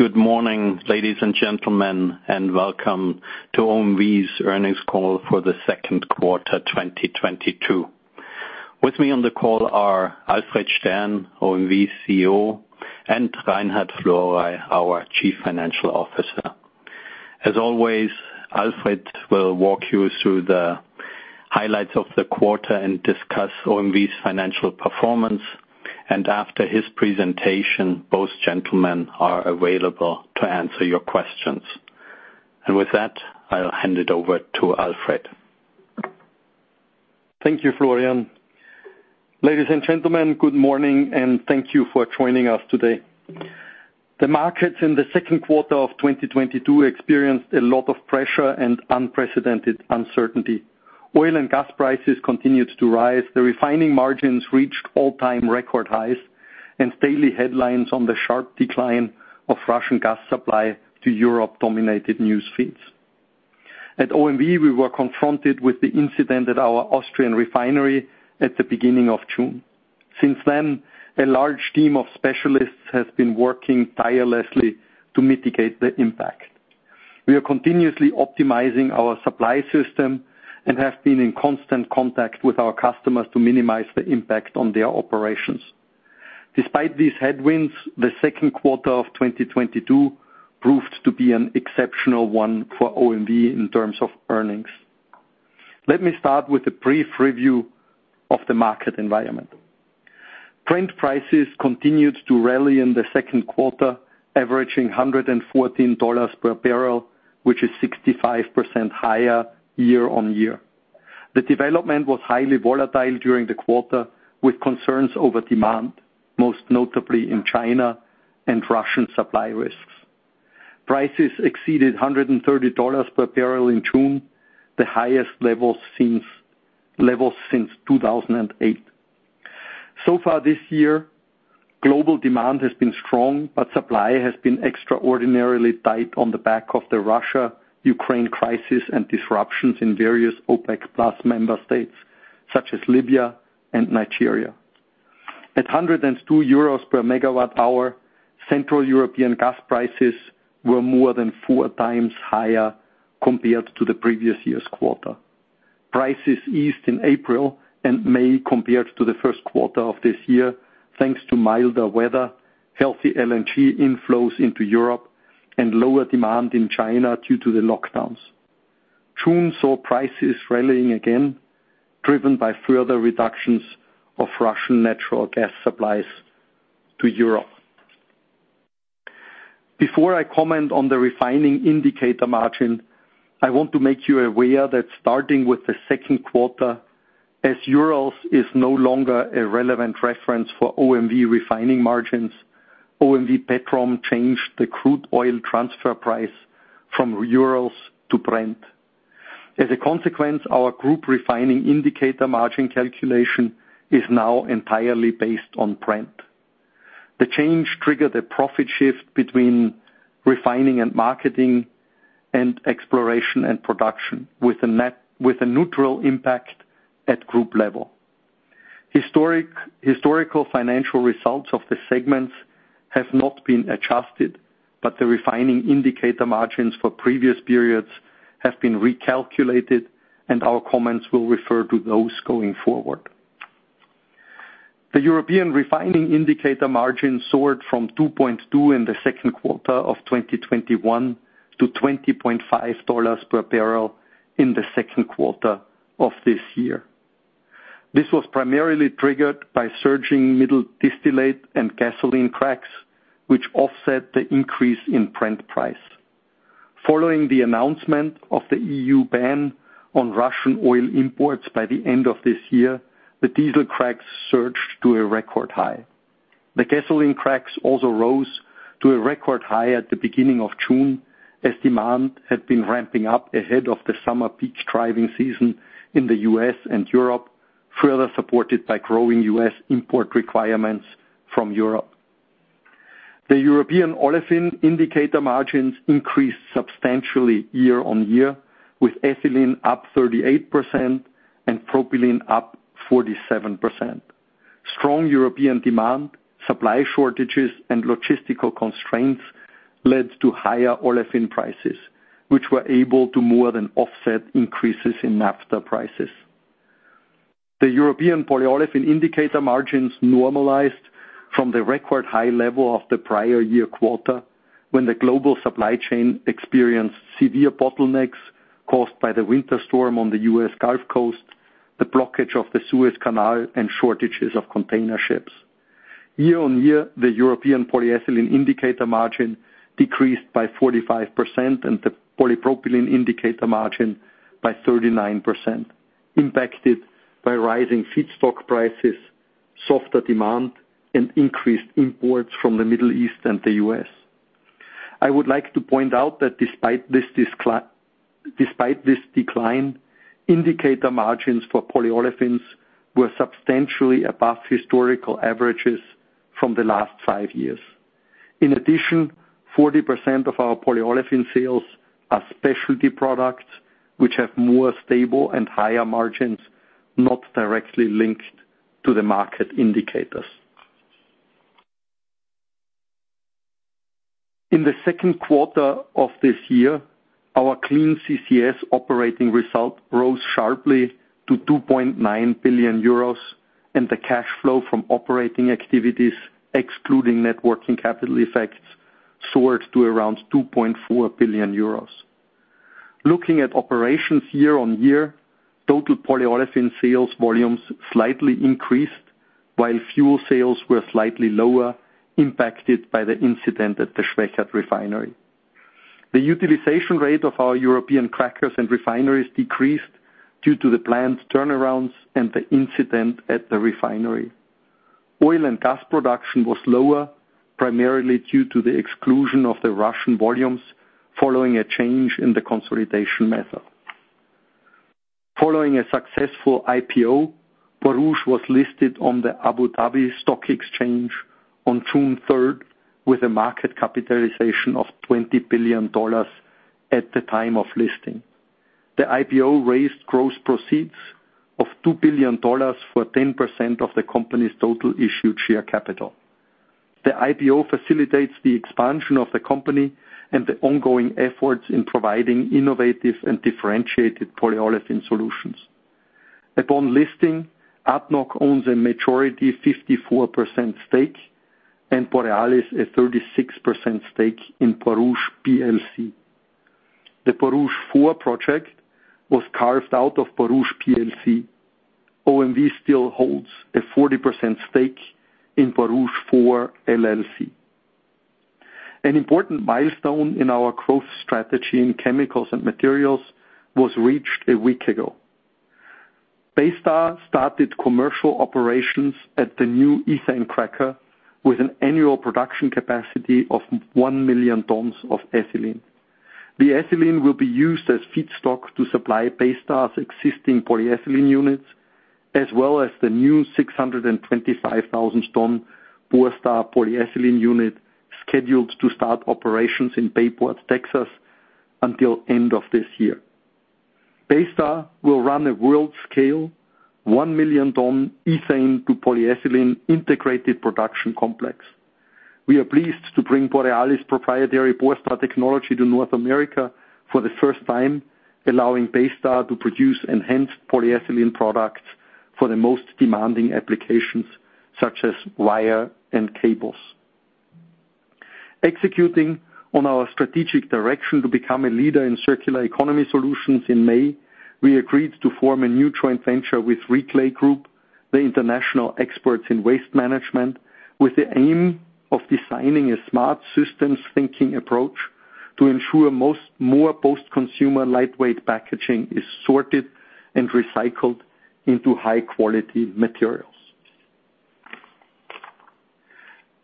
Good morning, ladies and gentlemen, and welcome to OMV's earnings call for the second quarter, 2022. With me on the call are Alfred Stern, OMV's CEO, and Reinhard Florey, our Chief Financial Officer. As always, Alfred will walk you through the highlights of the quarter and discuss OMV's financial performance, and after his presentation, both gentlemen are available to answer your questions. With that, I'll hand it over to Alfred. Thank you, Florian. Ladies and gentlemen, good morning, and thank you for joining us today. The markets in the second quarter of 2022 experienced a lot of pressure and unprecedented uncertainty. Oil and gas prices continued to rise, the refining margins reached all-time record highs, and daily headlines on the sharp decline of Russian gas supply to Europe dominated news feeds. At OMV, we were confronted with the incident at our Austrian refinery at the beginning of June. Since then, a large team of specialists has been working tirelessly to mitigate the impact. We are continuously optimizing our supply system and have been in constant contact with our customers to minimize the impact on their operations. Despite these headwinds, the second quarter of 2022 proved to be an exceptional one for OMV in terms of earnings. Let me start with a brief review of the market environment. Brent prices continued to rally in the second quarter, averaging $114 per barrel, which is 65% higher year-on-year. The development was highly volatile during the quarter, with concerns over demand, most notably in China and Russian supply risks. Prices exceeded $130 per barrel in June, the highest levels since 2008. So far this year, global demand has been strong, but supply has been extraordinarily tight on the back of the Russia-Ukraine crisis and disruptions in various OPEC+ member states such as Libya and Nigeria. At 102 euros per megawatt hour, central European gas prices were more than four times higher compared to the previous year's quarter. Prices eased in April and May compared to the first quarter of this year, thanks to milder weather, healthy LNG inflows into Europe, and lower demand in China due to the lockdowns. June saw prices rallying again, driven by further reductions of Russian natural gas supplies to Europe. Before I comment on the refining indicator margin, I want to make you aware that starting with the second quarter, as Urals is no longer a relevant reference for OMV refining margins, OMV Petrom changed the crude oil transfer price from Urals to Brent. As a consequence, our group refining indicator margin calculation is now entirely based on Brent. The change triggered a profit shift between refining and marketing and exploration and production, with a neutral impact at group level. Historical financial results of the segments have not been adjusted, but the refining indicator margins for previous periods have been recalculated, and our comments will refer to those going forward. The European refining indicator margin soared from $2.2 per barrel in the second quarter of 2021 to $20.5 per barrel in the second quarter of this year. This was primarily triggered by surging middle distillate and gasoline cracks, which offset the increase in Brent price. Following the announcement of the EU ban on Russian oil imports by the end of this year, the diesel cracks surged to a record high. The gasoline cracks also rose to a record high at the beginning of June, as demand had been ramping up ahead of the summer peak driving season in the U.S. and Europe, further supported by growing U.S. import requirements from Europe. The European olefin indicator margins increased substantially year-on-year, with ethylene up 38% and propylene up 47%. Strong European demand, supply shortages, and logistical constraints led to higher olefin prices, which were able to more than offset increases in naphtha prices. The European polyolefin indicator margins normalized from the record high level of the prior year quarter, when the global supply chain experienced severe bottlenecks caused by the winter storm on the U.S. Gulf Coast, the blockage of the Suez Canal, and shortages of container ships. Year-on-year, the European polyethylene indicator margin decreased by 45%, and the polypropylene indicator margin by 39%, impacted by rising feedstock prices, softer demand, and increased imports from the Middle East and the U.S. I would like to point out that despite this decline, indicator margins for polyolefins were substantially above historical averages from the last five years. In addition, 40% of our polyolefin sales are specialty products which have more stable and higher margins. Not directly linked to the market indicators. In the second quarter of this year, our clean CCS operating result rose sharply to 2.9 billion euros and the cash flow from operating activities, excluding net working capital effects, soared to around 2.4 billion euros. Looking at operations year-on-year, total polyolefin sales volumes slightly increased while fuel sales were slightly lower, impacted by the incident at the Schwechat Refinery. The utilization rate of our European crackers and refineries decreased due to the planned turnarounds and the incident at the refinery. Oil and gas production was lower, primarily due to the exclusion of the Russian volumes following a change in the consolidation method. Following a successful IPO, Borouge was listed on the Abu Dhabi Securities Exchange on June 3rd, with a market capitalization of $20 billion at the time of listing. The IPO raised gross proceeds of $2 billion for 10% of the company's total issued share capital. The IPO facilitates the expansion of the company and the ongoing efforts in providing innovative and differentiated polyolefin solutions. Upon listing, ADNOC owns a majority 54% stake, and Borealis a 36% stake in Borouge Plc. The Borouge 4 project was carved out of Borouge Plc. OMV still holds a 40% stake in Borouge 4 LLC. An important milestone in our growth strategy in chemicals and materials was reached a week ago. Baystar started commercial operations at the new ethane cracker with an annual production capacity of 1 million tons of ethylene. The ethylene will be used as feedstock to supply Baystar's existing polyethylene units, as well as the new 625,000-ton Borstar polyethylene unit, scheduled to start operations in Bayport, Texas, until end of this year. Baystar will run a world-scale 1 million-ton ethane to polyethylene integrated production complex. We are pleased to bring Borealis' proprietary Borstar technology to North America for the first time, allowing Baystar to produce enhanced polyethylene products for the most demanding applications, such as wire and cables. Executing on our strategic direction to become a leader in circular economy solutions in May, we agreed to form a new joint venture with Reclay Group, the international experts in waste management, with the aim of designing a smart systems thinking approach to ensure more post-consumer lightweight packaging is sorted and recycled into high-quality materials.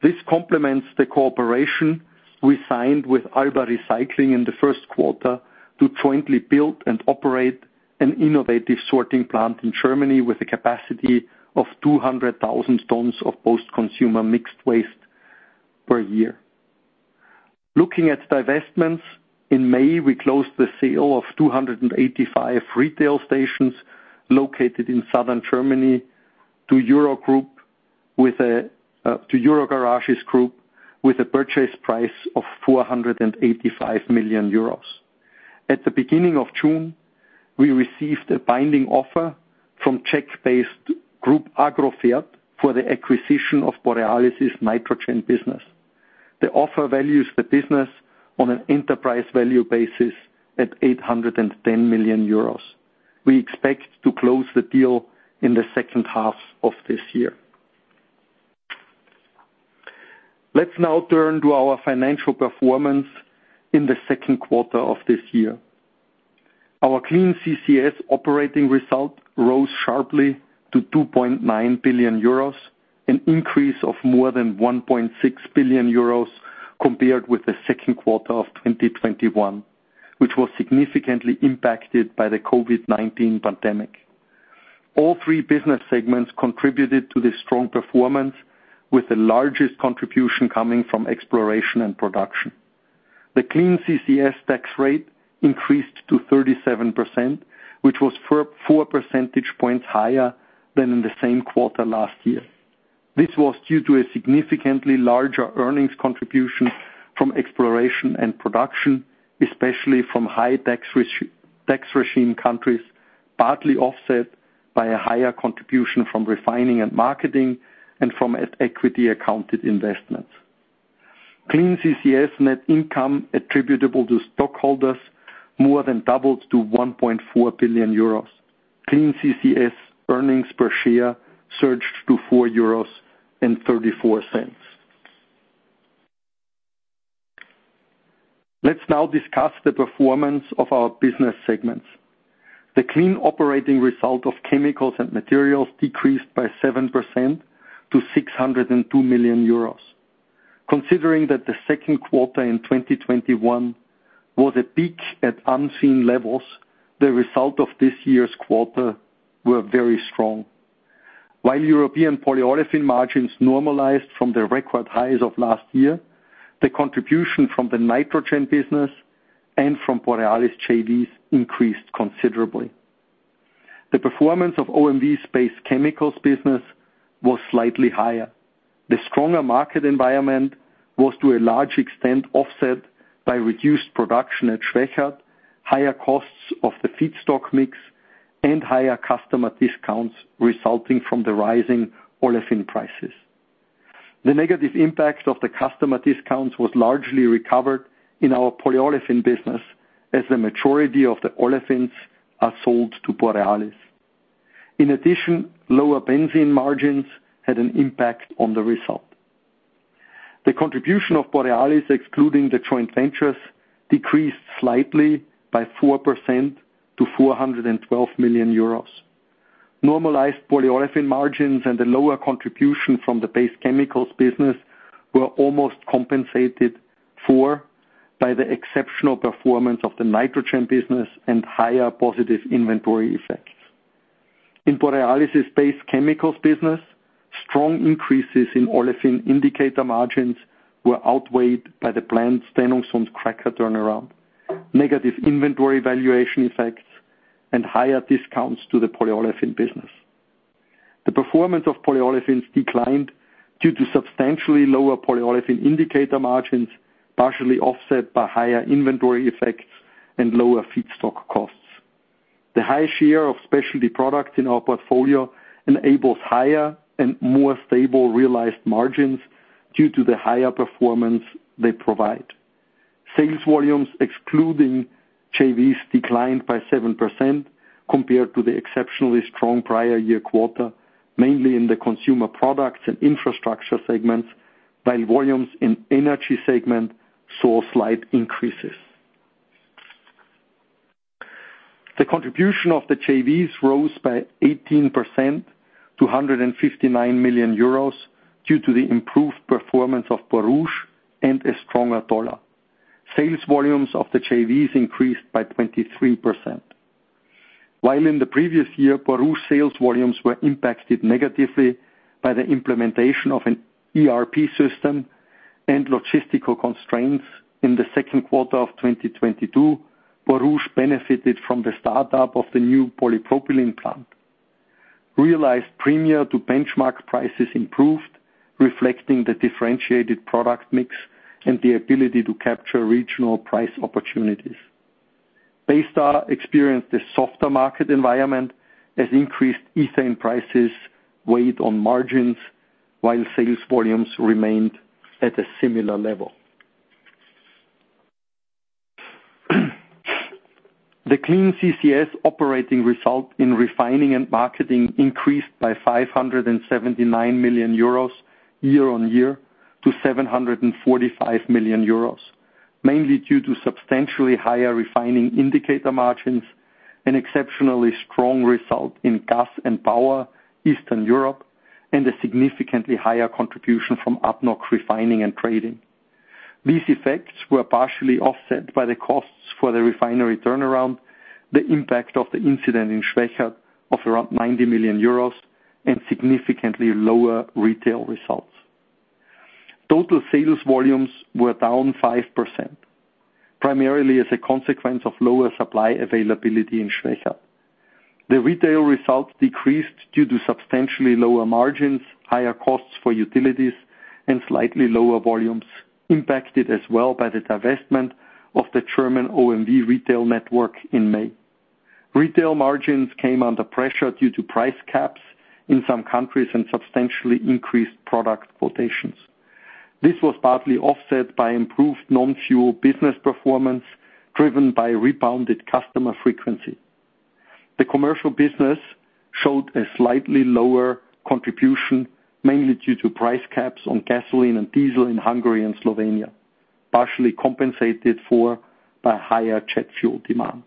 This complements the cooperation we signed with Alba Recycling in the first quarter to jointly build and operate an innovative sorting plant in Germany with a capacity of 200,000 tons of post-consumer mixed waste per year. Looking at divestments, in May, we closed the sale of 285 retail stations located in southern Germany to EG Group with a purchase price of 485 million euros. At the beginning of June, we received a binding offer from Czech-based group AGROFERT for the acquisition of Borealis' nitrogen business. The offer values the business on an enterprise value basis at 810 million euros. We expect to close the deal in the second half of this year. Let's now turn to our financial performance in the second quarter of this year. Our clean CCS Operating Result rose sharply to 2.9 billion euros, an increase of more than 1.6 billion euros compared with the second quarter of 2021, which was significantly impacted by the COVID-19 pandemic. All three business segments contributed to the strong performance, with the largest contribution coming from exploration and production. The clean CCS Group tax rate increased to 37%, which was four percentage points higher than in the same quarter last year. This was due to a significantly larger earnings contribution from exploration and production, especially from high tax regime countries, partly offset by a higher contribution from refining and marketing and from at equity accounted investments. Clean CCS net income attributable to stockholders more than doubled to 1.4 billion euros. Clean CCS earnings per share surged to 4.34 euros. Let's now discuss the performance of our business segments. The clean operating result of chemicals and materials decreased by 7% to 602 million euros. Considering that the second quarter in 2021 was a peak at unseen levels, the result of this year's quarter were very strong. While European polyolefin margins normalized from the record highs of last year, the contribution from the nitrogen business and from Borealis JVs increased considerably. The performance of OMV's Base Chemicals business was slightly higher. The stronger market environment was, to a large extent, offset by reduced production at Schwechat, higher costs of the feedstock mix, and higher customer discounts resulting from the rising olefin prices. The negative impacts of the customer discounts was largely recovered in our polyolefin business, as the majority of the olefins are sold to Borealis. In addition, lower benzene margins had an impact on the result. The contribution of Borealis, excluding the joint ventures, decreased slightly by 4% to 412 million euros. Normalized polyolefin margins and the lower contribution from the Base Chemicals business were almost compensated for by the exceptional performance of the nitrogen business and higher positive inventory effects. In Borealis' Base Chemicals business, strong increases in olefin indicator margins were outweighed by the planned Stenungsund cracker turnaround, negative inventory valuation effects, and higher discounts to the polyolefin business. The performance of polyolefins declined due to substantially lower polyolefin indicator margins, partially offset by higher inventory effects and lower feedstock costs. The high share of specialty products in our portfolio enables higher and more stable realized margins due to the higher performance they provide. Sales volumes, excluding JVs, declined by 7% compared to the exceptionally strong prior year quarter, mainly in the consumer products and infrastructure segments, while volumes in energy segment saw slight increases. The contribution of the JVs rose by 18% to 159 million euros due to the improved performance of Borouge and a stronger dollar. Sales volumes of the JVs increased by 23%. While in the previous year, Borouge sales volumes were impacted negatively by the implementation of an ERP system and logistical constraints in the second quarter of 2022, Borouge benefited from the startup of the new polypropylene plant. Realized premium to benchmark prices improved, reflecting the differentiated product mix and the ability to capture regional price opportunities. Borstar experienced a softer market environment as increased ethane prices weighed on margins, while sales volumes remained at a similar level. The clean CCS Operating Result in Refining & Marketing increased by 579 million euros year-on-year to 745 million euros, mainly due to substantially higher refining indicator margins, an exceptionally strong result in gas and power Eastern Europe, and a significantly higher contribution from OMV Refining & Marketing. These effects were partially offset by the costs for the refinery turnaround, the impact of the incident in Schwechat of around 90 million euros, and significantly lower retail results. Total sales volumes were down 5%, primarily as a consequence of lower supply availability in Schwechat. The retail results decreased due to substantially lower margins, higher costs for utilities, and slightly lower volumes impacted as well by the divestment of the German OMV retail network in May. Retail margins came under pressure due to price caps in some countries and substantially increased product quotations. This was partly offset by improved non-fuel business performance, driven by rebounded customer frequency. The commercial business showed a slightly lower contribution, mainly due to price caps on gasoline and diesel in Hungary and Slovenia, partially compensated for by higher jet fuel demand.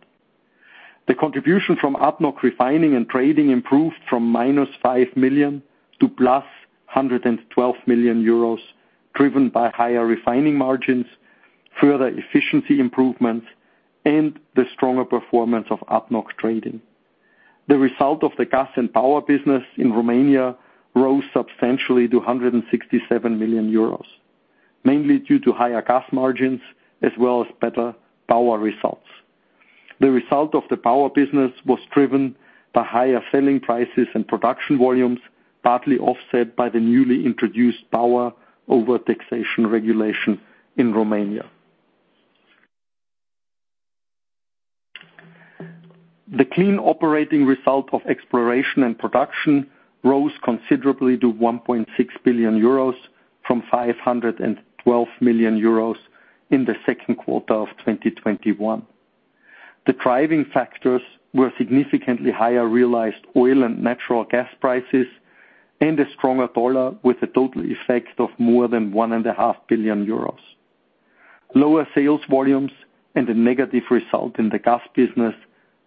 The contribution from OMV Refining and Trading improved from -5 million to +112 million euros, driven by higher refining margins, further efficiency improvements, and the stronger performance of OMV Trading. The result of the gas and power business in Romania rose substantially to 167 million euros, mainly due to higher gas margins as well as better power results. The result of the power business was driven by higher selling prices and production volumes, partly offset by the newly introduced power overtaxation regulation in Romania. The clean operating result of Exploration and Production rose considerably to 1.6 billion euros from 512 million euros in the second quarter of 2021. The driving factors were significantly higher realized oil and natural gas prices, and a stronger dollar with a total effect of more than 1.5 billion euros. Lower sales volumes and a negative result in the gas business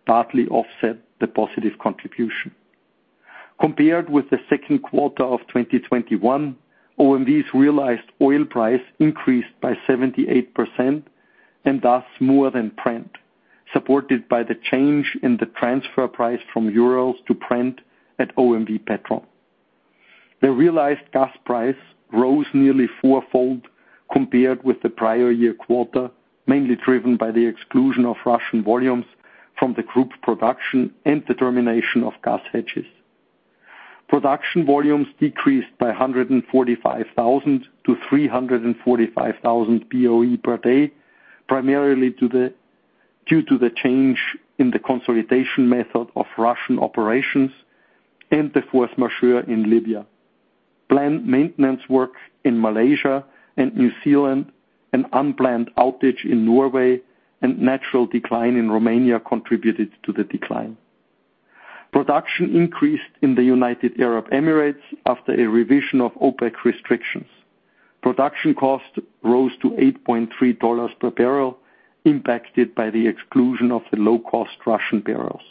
partly offset the positive contribution. Compared with the second quarter of 2021, OMV's realized oil price increased by 78%, and thus more than Brent. Supported by the change in the transfer price from euros to Brent at OMV Petrom. The realized gas price rose nearly four-fold compared with the prior year quarter, mainly driven by the exclusion of Russian volumes from the group production and the termination of gas hedges. Production volumes decreased by 145,000-345,000 BOE per day, primarily due to the change in the consolidation method of Russian operations and the force majeure in Libya. Planned maintenance work in Malaysia and New Zealand, an unplanned outage in Norway, and natural decline in Romania contributed to the decline. Production increased in the United Arab Emirates after a revision of OPEC restrictions. Production cost rose to $8.3 per barrel, impacted by the exclusion of the low-cost Russian barrels.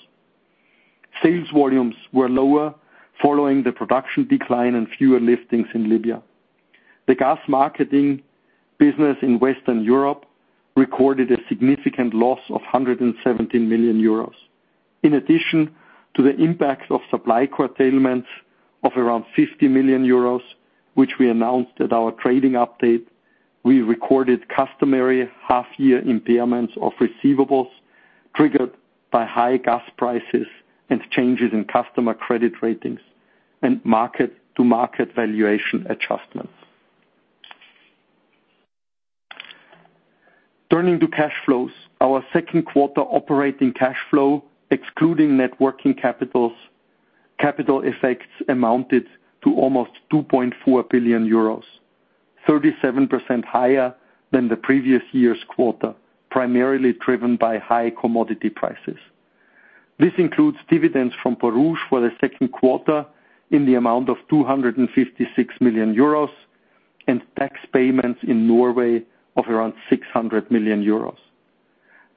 Sales volumes were lower following the production decline and fewer liftings in Libya. The gas marketing business in Western Europe recorded a significant loss of 170 million euros. In addition to the impact of supply curtailment of around 50 million euros, which we announced at our trading update, we recorded customary half-year impairments of receivables triggered by high gas prices and changes in customer credit ratings and mark-to-market valuation adjustments. Turning to cash flows. Our second quarter operating cash flow, excluding net working capital effects amounted to almost 2.4 billion euros, 37% higher than the previous year's quarter, primarily driven by high commodity prices. This includes dividends from Borouge for the second quarter in the amount of 256 million euros and tax payments in Norway of around 600 million euros.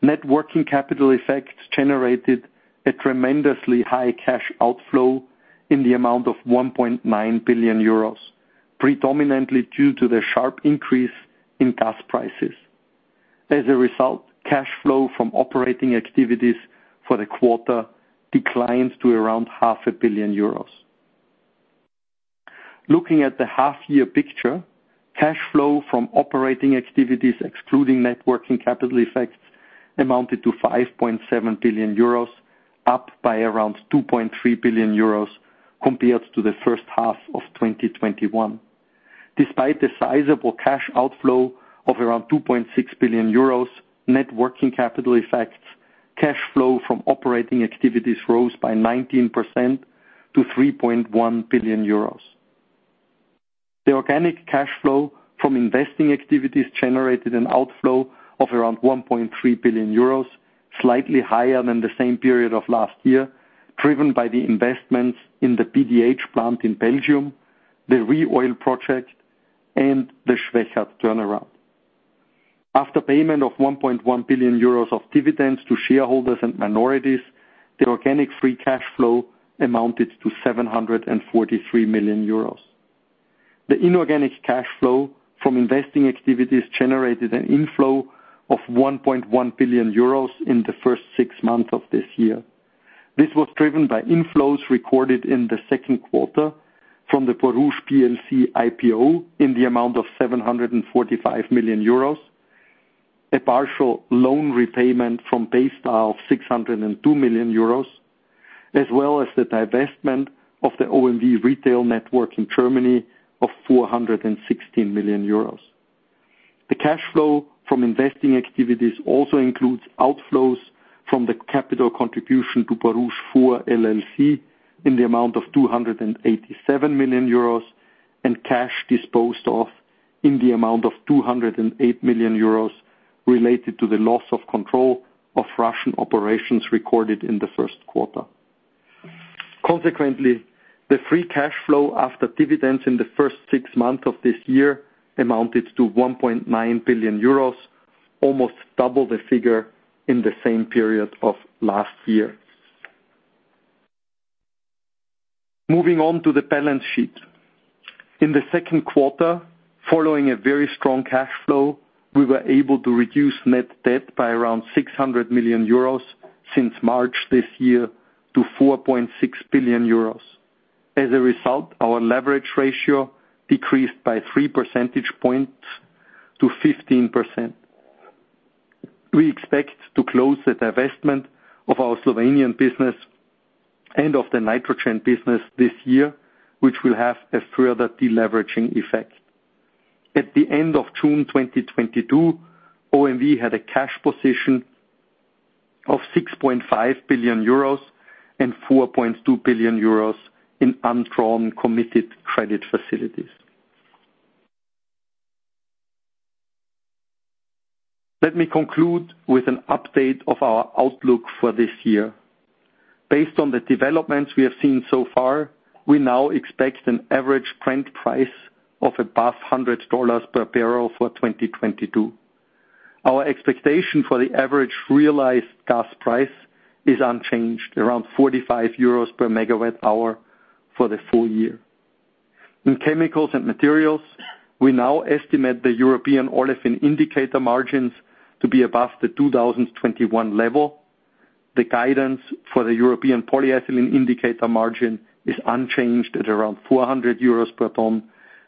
Net working capital effects generated a tremendously high cash outflow in the amount of 1.9 billion euros, predominantly due to the sharp increase in gas prices. As a result, cash flow from operating activities for the quarter declines to around half a billion euros. Looking at the half-year picture, cash flow from operating activities, excluding net working capital effects, amounted to 5.7 billion euros, up by around 2.3 billion euros compared to the first half of 2021. Despite the sizable cash outflow of around 2.6 billion euros, net working capital effects, cash flow from operating activities rose by 19% to 3.1 billion euros. The organic cash flow from investing activities generated an outflow of around 1.3 billion euros, slightly higher than the same period of last year, driven by the investments in the PDH plant in Belgium, the ReOil project, and the Schwechat turnaround. After payment of 1.1 billion euros of dividends to shareholders and minorities, the organic free cash flow amounted to 743 million euros. The inorganic cash flow from investing activities generated an inflow of 1.1 billion euros in the first six months of this year. This was driven by inflows recorded in the second quarter from the Borouge Plc IPO in the amount of 745 million euros, a partial loan repayment from Baystar of 602 million euros, as well as the divestment of the OMV retail network in Germany of 416 million euros. The cash flow from investing activities also includes outflows from the capital contribution to Borouge 4 LLC in the amount of 287 million euros, and cash disposed of in the amount of 208 million euros related to the loss of control of Russian operations recorded in the first quarter. Consequently, the free cash flow after dividends in the first six months of this year amounted to 1.9 billion euros, almost double the figure in the same period of last year. Moving on to the balance sheet. In the second quarter, following a very strong cash flow, we were able to reduce Net Debt by around 600 million euros since March this year to 4.6 billion euros. As a result, our leverage ratio decreased by 3 percentage points to 15%. We expect to close the divestment of our Slovenian business and of the Nitrogen business this year, which will have a further deleveraging effect. At the end of June 2022, OMV had a cash position of 6.5 billion euros and 4.2 billion euros in undrawn committed credit facilities. Let me conclude with an update of our outlook for this year. Based on the developments we have seen so far, we now expect an average Brent price of above $100 per barrel for 2022. Our expectation for the average realized gas price is unchanged, around 45 euros per megawatt hour for the full year. In chemicals and materials, we now estimate the European olefin indicator margins to be above the 2021 level. The guidance for the European polyethylene indicator margin is unchanged at around 400 euros per ton,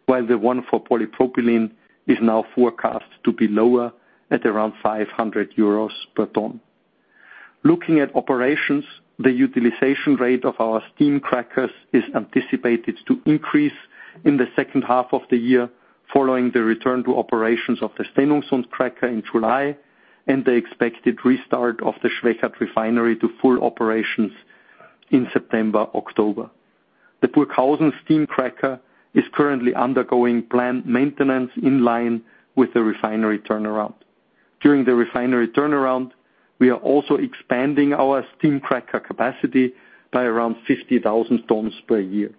while the one for polypropylene is now forecast to be lower at around 500 euros per ton. Looking at operations, the utilization rate of our steam crackers is anticipated to increase in the second half of the year following the return to operations of the Stenungsund cracker in July, and the expected restart of the Schwechat refinery to full operations in September-October. The Burghausen steam cracker is currently undergoing plant maintenance in line with the refinery turnaround. During the refinery turnaround, we are also expanding our steam cracker capacity by around 50,000 tons per year.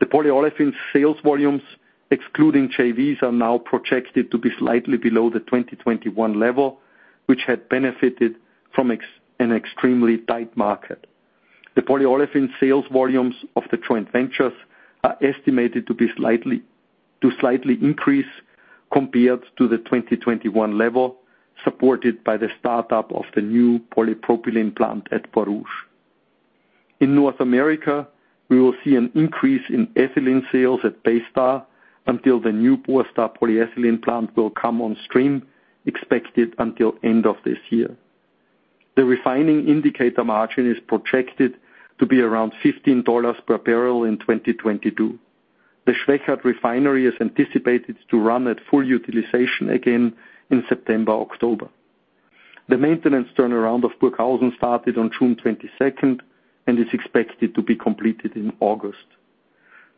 The polyolefin sales volumes, excluding JVs, are now projected to be slightly below the 2021 level, which had benefited from an extremely tight market. The polyolefin sales volumes of the joint ventures are estimated to slightly increase compared to the 2021 level, supported by the startup of the new polypropylene plant at Borouge. In North America, we will see an increase in ethylene sales at Baystar until the new Baystar polyethylene plant will come on stream, expected until end of this year. The refining indicator margin is projected to be around $15 per barrel in 2022. The Schwechat refinery is anticipated to run at full utilization again in September, October. The maintenance turnaround of Burghausen started on June 22nd and is expected to be completed in August.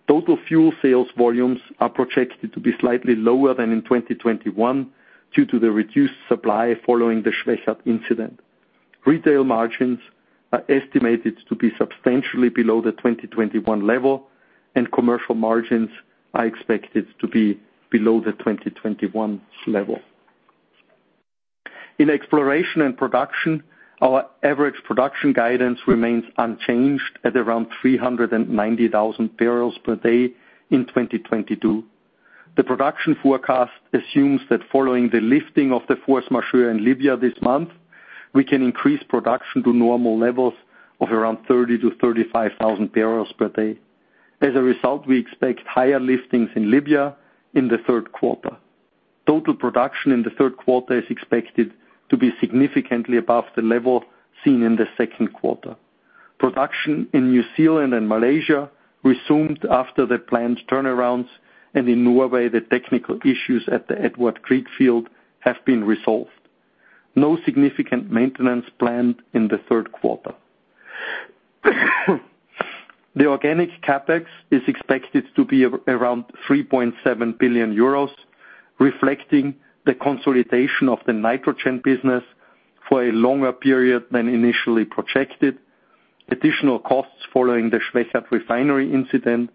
Total fuel sales volumes are projected to be slightly lower than in 2021 due to the reduced supply following the Schwechat incident. Retail margins are estimated to be substantially below the 2021 level, and commercial margins are expected to be below the 2021 level. In exploration and production, our average production guidance remains unchanged at around 390,000 barrels per day in 2022. The production forecast assumes that following the lifting of the force majeure in Libya this month, we can increase production to normal levels of around 30,000-35,000 barrels per day. As a result, we expect higher liftings in Libya in the third quarter. Total production in the third quarter is expected to be significantly above the level seen in the second quarter. Production in New Zealand and Malaysia resumed after the planned turnarounds, and in Norway, the technical issues at the Edvard Grieg field have been resolved. No significant maintenance planned in the third quarter. The organic CapEx is expected to be around 3.7 billion euros, reflecting the consolidation of the nitrogen business for a longer period than initially projected, additional costs following the Schwechat refinery incident,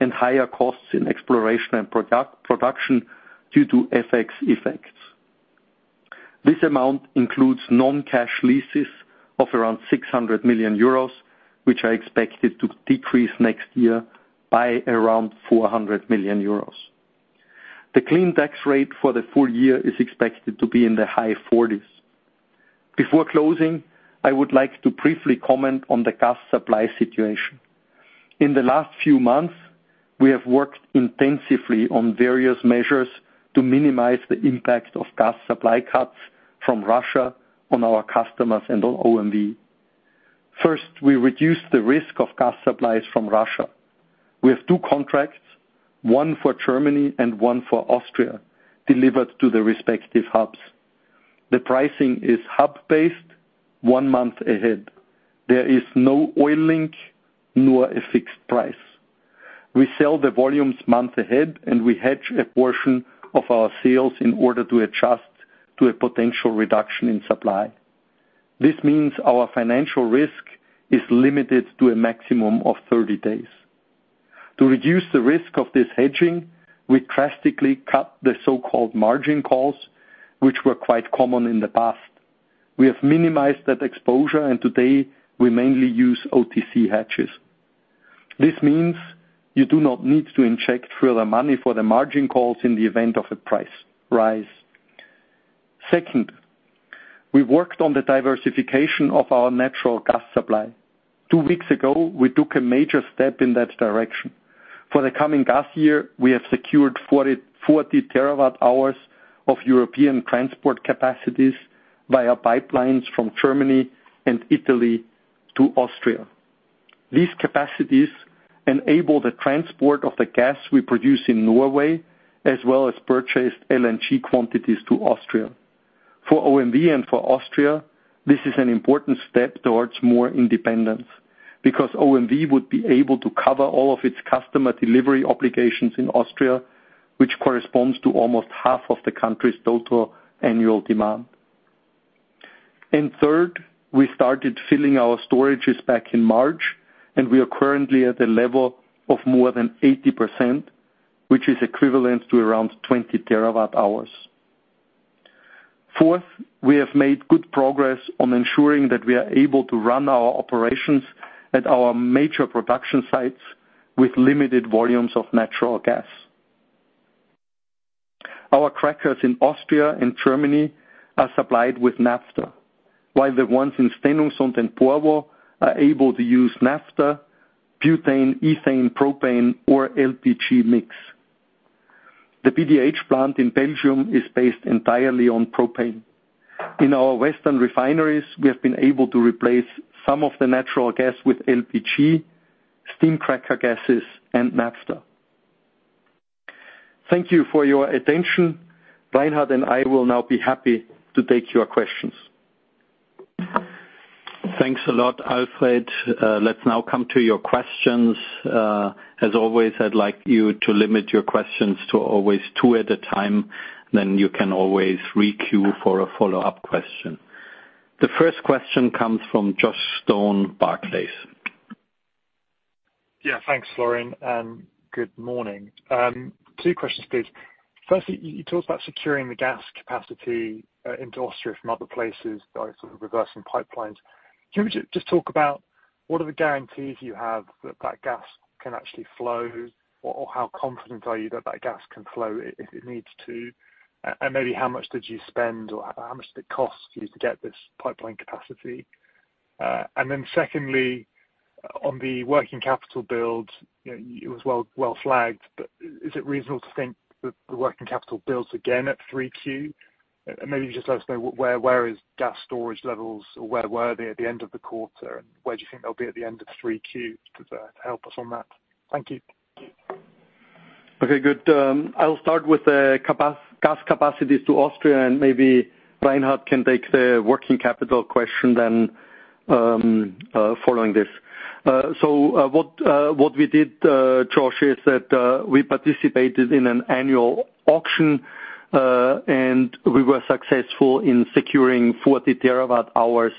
and higher costs in exploration and production due to FX effects. This amount includes non-cash leases of around 600 million euros, which are expected to decrease next year by around 400 million euros. The clean tax rate for the full year is expected to be in the high 40s%. Before closing, I would like to briefly comment on the gas supply situation. In the last few months, we have worked intensively on various measures to minimize the impact of gas supply cuts from Russia on our customers and on OMV. First, we reduced the risk of gas supplies from Russia. We have two contracts, one for Germany and one for Austria, delivered to the respective hubs. The pricing is hub-based one month ahead. There is no oil link, nor a fixed price. We sell the volumes months ahead, and we hedge a portion of our sales in order to adjust to a potential reduction in supply. This means our financial risk is limited to a maximum of 30 days. To reduce the risk of this hedging, we drastically cut the so-called margin calls, which were quite common in the past. We have minimized that exposure, and today, we mainly use OTC hedges. This means you do not need to inject further money for the margin calls in the event of a price rise. Second, we worked on the diversification of our natural gas supply. Two weeks ago, we took a major step in that direction. For the coming gas year, we have secured 40 TWh of European transport capacities via pipelines from Germany and Italy to Austria. These capacities enable the transport of the gas we produce in Norway, as well as purchased LNG quantities to Austria. For OMV and for Austria, this is an important step towards more independence because OMV would be able to cover all of its customer delivery obligations in Austria, which corresponds to almost half of the country's total annual demand. Third, we started filling our storages back in March, and we are currently at a level of more than 80%, which is equivalent to around 20 TWh. Fourth, we have made good progress on ensuring that we are able to run our operations at our major production sites with limited volumes of natural gas. Our crackers in Austria and Germany are supplied with naphtha, while the ones in Stenungsund and Porvoo are able to use naphtha, butane, ethane, propane or LPG mix. The PDH plant in Belgium is based entirely on propane. In our western refineries, we have been able to replace some of the natural gas with LPG, steam cracker gases and naphtha. Thank you for your attention. Reinhard and I will now be happy to take your questions. Thanks a lot, Alfred. Let's now come to your questions. As always, I'd like you to limit your questions to always two at a time, then you can always re-queue for a follow-up question. The first question comes from Josh Stone, Barclays. Yeah, thanks, Florian, and good morning. Two questions, please. Firstly, you talked about securing the gas capacity into Austria from other places by sort of reversing pipelines. Can you just talk about what are the guarantees you have that that gas can actually flow, or how confident are you that that gas can flow if it needs to? And maybe how much did you spend or how much did it cost you to get this pipeline capacity? Secondly, on the working capital build, you know, it was well flagged, but is it reasonable to think that the working capital builds again at 3Q? Maybe just let us know where is gas storage levels or where were they at the end of the quarter, and where do you think they'll be at the end of 3Q, to help us on that? Thank you. I'll start with the gas capacities to Austria, and maybe Reinhard Florey can take the working capital question then, following this. What we did, Josh Stone, is that we participated in an annual auction, and we were successful in securing 40 TWh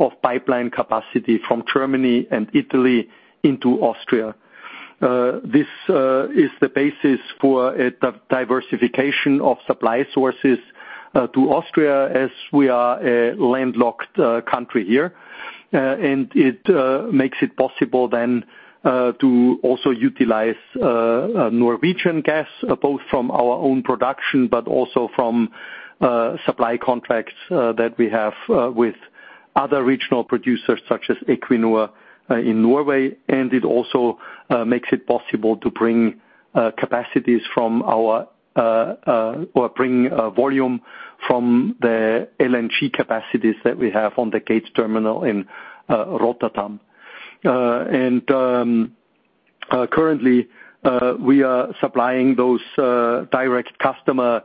of pipeline capacity from Germany and Italy into Austria. This is the basis for a diversification of supply sources to Austria as we are a landlocked country here. It makes it possible then to also utilize Norwegian gas, both from our own production but also from supply contracts that we have with other regional producers such as Equinor in Norway. It also makes it possible to bring volume from the LNG capacities that we have on the Gates terminal in Rotterdamm. Currently, we are supplying those direct customer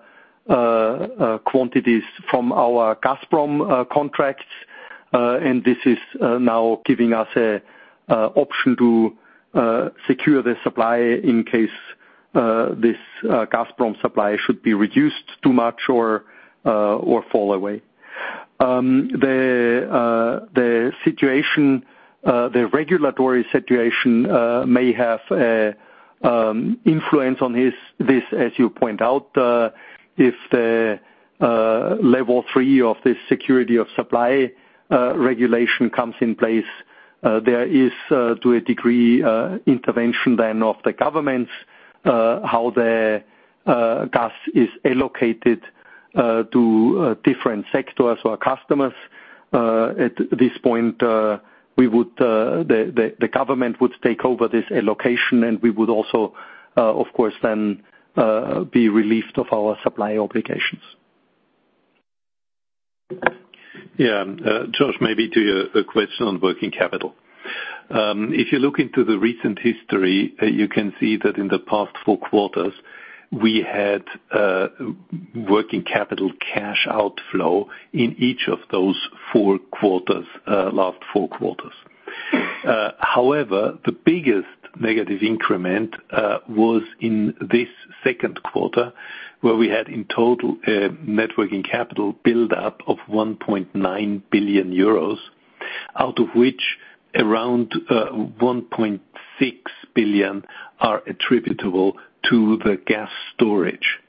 quantities from our Gazprom contracts, and this is now giving us an option to secure the supply in case this Gazprom supply should be reduced too much or fall away. The regulatory situation may have an influence on this, as you point out. If the level three of the security of supply regulation comes in place, there is to a degree intervention then of the governments how the gas is allocated to different sectors or customers. At this point, the government would take over this allocation, and we would also of course then be relieved of our supply obligations. Yeah. Josh, maybe to your question on working capital. If you look into the recent history, you can see that in the past four quarters, we had working capital cash outflow in each of those four quarters, last four quarters. However, the biggest negative increment was in this second quarter, where we had in total net working capital build-up of 1.9 billion euros, out of which around 1.6 billion are attributable to the gas storage.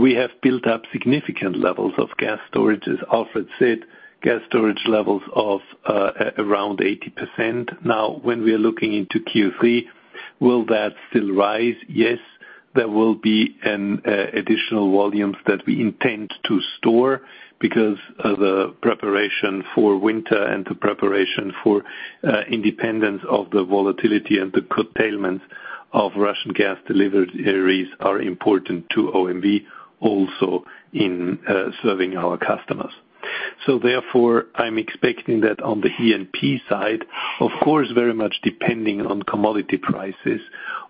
We have built up significant levels of gas storage. As Alfred said, gas storage levels of around 80%. Now, when we are looking into Q3, will that still rise? Yes, there will be an additional volumes that we intend to store because of the preparation for winter and the preparation for independence from the volatility and the curtailment of Russian gas deliveries are important to OMV, also in serving our customers. I'm expecting that on the E&P side, of course, very much depending on commodity prices,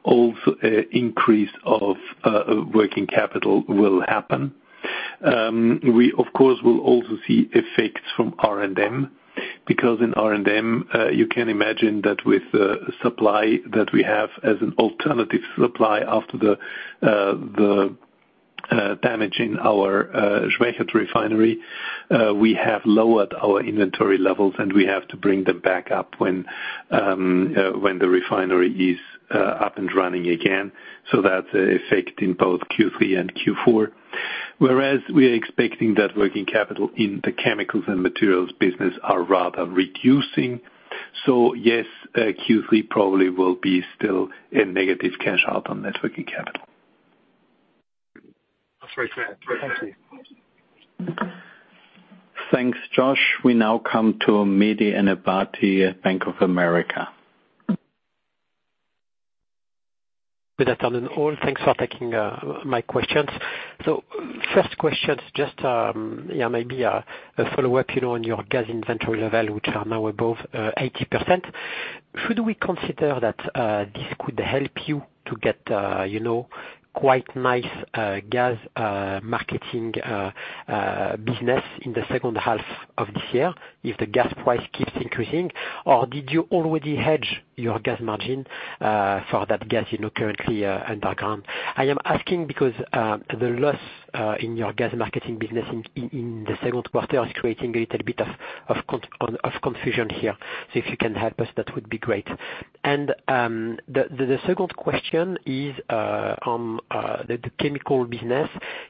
an increase in working capital will happen. We of course will also see effects from R&M, because in R&M you can imagine that with the supply that we have as an alternative supply after the damage in our Schwechat refinery. We have lowered our inventory levels, and we have to bring them back up when the refinery is up and running again. That's an effect in both Q3 and Q4. Whereas we are expecting that working capital in the chemicals and materials business are rather reducing. Yes, Q3 probably will be still a negative cash out on net working capital. That's very clear. Very clear. Thanks, Josh. We now come to Mehdi Ennebati at Bank of America. Good afternoon all. Thanks for taking my questions. First question is just yeah maybe a follow-up you know on your gas inventory level which are now above 80%. Should we consider that this could help you to get you know quite nice gas marketing business in the second half of this year if the gas price keeps increasing? Or did you already hedge your gas margin for that gas you know currently underground? I am asking because the loss in your gas marketing business in the second quarter is creating a little bit of confusion here. If you can help us that would be great. The second question is on the chemical business.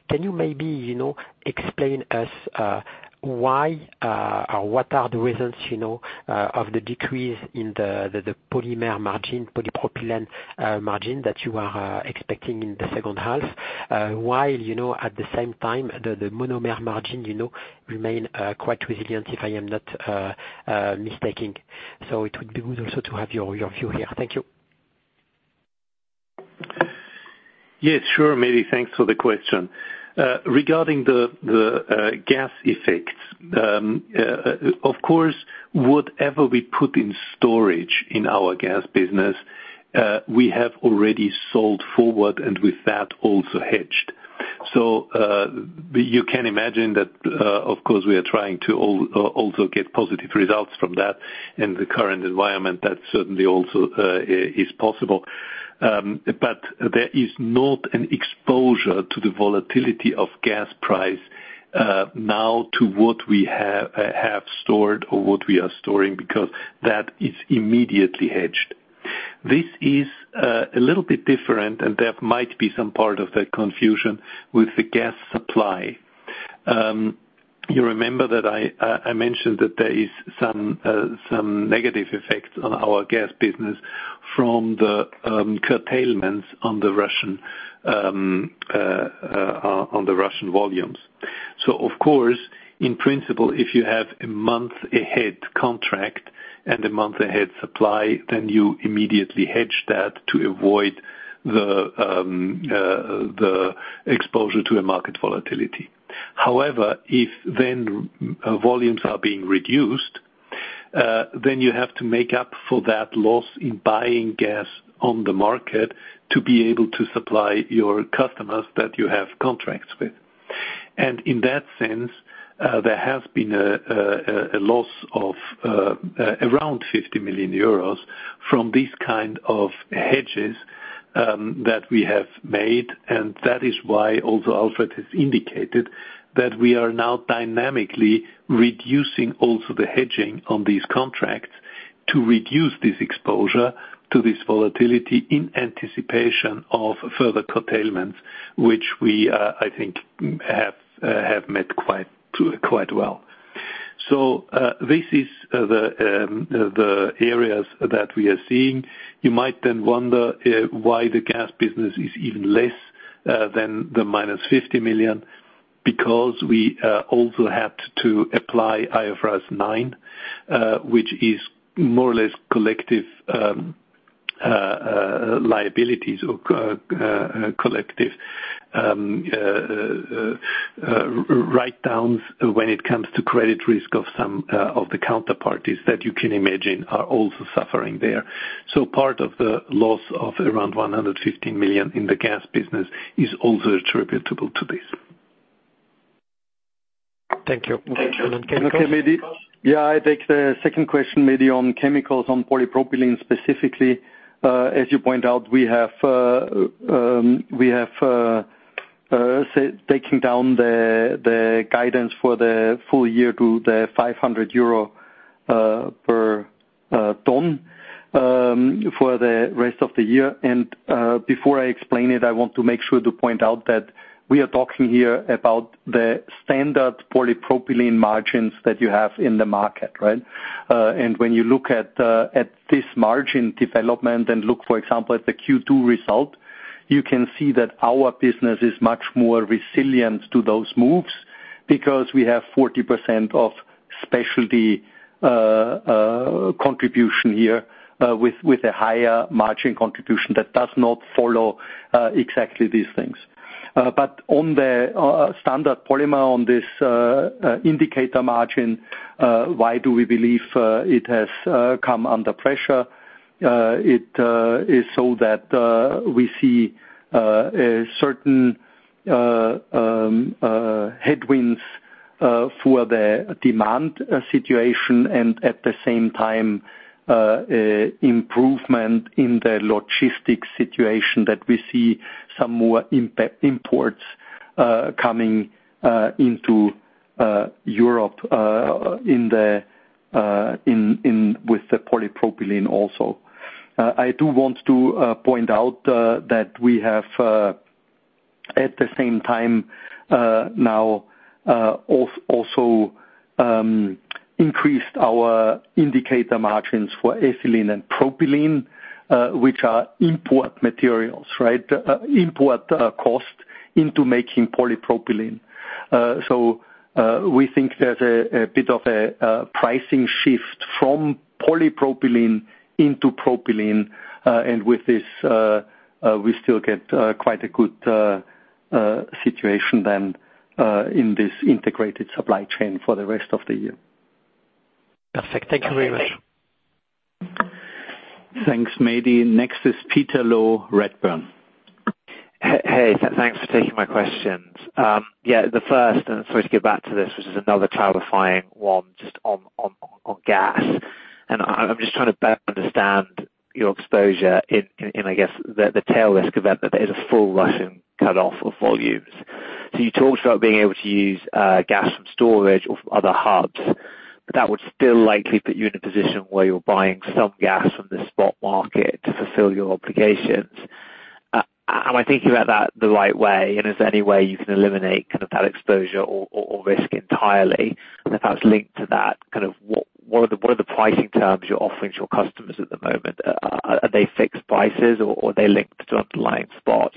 Can you maybe, you know, explain us why or what are the reasons, you know, of the decrease in the polymer margin, polypropylene margin that you are expecting in the second half? While, you know, at the same time, the monomer margin remains quite resilient if I am not mistaken. It would be good also to have your view here. Thank you. Yes, sure, Mehdi. Thanks for the question. Regarding the gas effects, of course, whatever we put in storage in our gas business, we have already sold forward and with that also hedged. You can imagine that, of course, we are trying to also get positive results from that in the current environment. That certainly also is possible. But there is not an exposure to the volatility of gas price now to what we have stored or what we are storing, because that is immediately hedged. This is a little bit different, and there might be some part of the confusion with the gas supply. You remember that I mentioned that there is some negative effects on our gas business from the curtailments on the Russian volumes. Of course, in principle, if you have a month ahead contract and a month ahead supply, then you immediately hedge that to avoid the exposure to a market volatility. However, if then volumes are being reduced, then you have to make up for that loss in buying gas on the market to be able to supply your customers that you have contracts with. In that sense, there has been a loss of around 50 million euros from these kind of hedges that we have made, and that is why also Alfred has indicated that we are now dynamically reducing also the hedging on these contracts to reduce this exposure to this volatility in anticipation of further curtailments, which we, I think, have met quite well. This is the areas that we are seeing. You might then wonder why the gas business is even less than the minus 50 million, because we also had to apply IFRS 9, which is more or less collective liabilities or collective write-downs when it comes to credit risk of some of the counterparties that you can imagine are also suffering there. Part of the loss of around 150 million in the gas business is also attributable to this. Thank you. Okay, Mehdi. Yeah, I take the second question, Mehdi, on chemicals, on polypropylene specifically. As you point out, we have taken down the guidance for the full year to 500 euro per ton for the rest of the year. Before I explain it, I want to make sure to point out that we are talking here about the standard polypropylene margins that you have in the market, right? When you look at this margin development and look, for example, at the Q2 result, you can see that our business is much more resilient to those moves because we have 40% of specialty contribution here with a higher margin contribution that does not follow exactly these things. On the standard polymer on this indicator margin, why do we believe it has come under pressure? It is so that we see a certain headwinds for the demand situation and at the same time improvement in the logistics situation that we see some more imports coming into Europe in with the polypropylene also. I do want to point out that we have at the same time now also increased our indicator margins for ethylene and propylene, which are input materials, right? Input cost into making polypropylene. We think there's a bit of a pricing shift from polypropylene into propylene. With this, we still get quite a good situation in this integrated supply chain for the rest of the year. Perfect. Thank you very much. Thanks, Mehdi. Next is Peter Low, Redburn. Hey, thanks for taking my questions. Yeah, the first, sorry to get back to this, which is another terrifying one just on gas. I'm just trying to better understand your exposure in, I guess, the tail risk event that there's a full Russian cutoff of volumes. You talked about being able to use gas from storage or from other hubs, but that would still likely put you in a position where you're buying some gas from the spot market to fulfill your obligations. Am I thinking about that the right way, and is there any way you can eliminate kind of that exposure or risk entirely? If that's linked to that, kind of what are the pricing terms you're offering to your customers at the moment? Are they fixed prices or are they linked to underlying spot?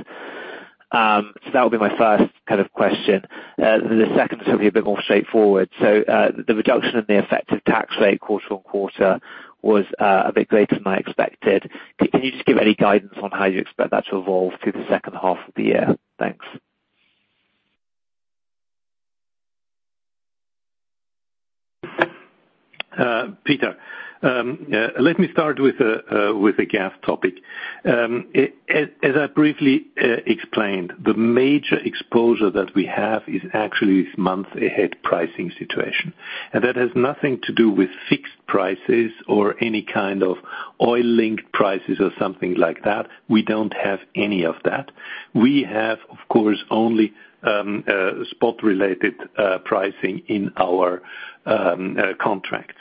That would be my first kind of question. The second is hopefully a bit more straightforward. The reduction in the effective tax rate quarter-on-quarter was a bit greater than I expected. Can you just give any guidance on how you expect that to evolve through the second half of the year? Thanks. Peter. Let me start with the gas topic. As I briefly explained, the major exposure that we have is actually this month ahead pricing situation. That has nothing to do with fixed prices or any kind of oil-linked prices or something like that. We don't have any of that. We have, of course, only spot-related pricing in our contract.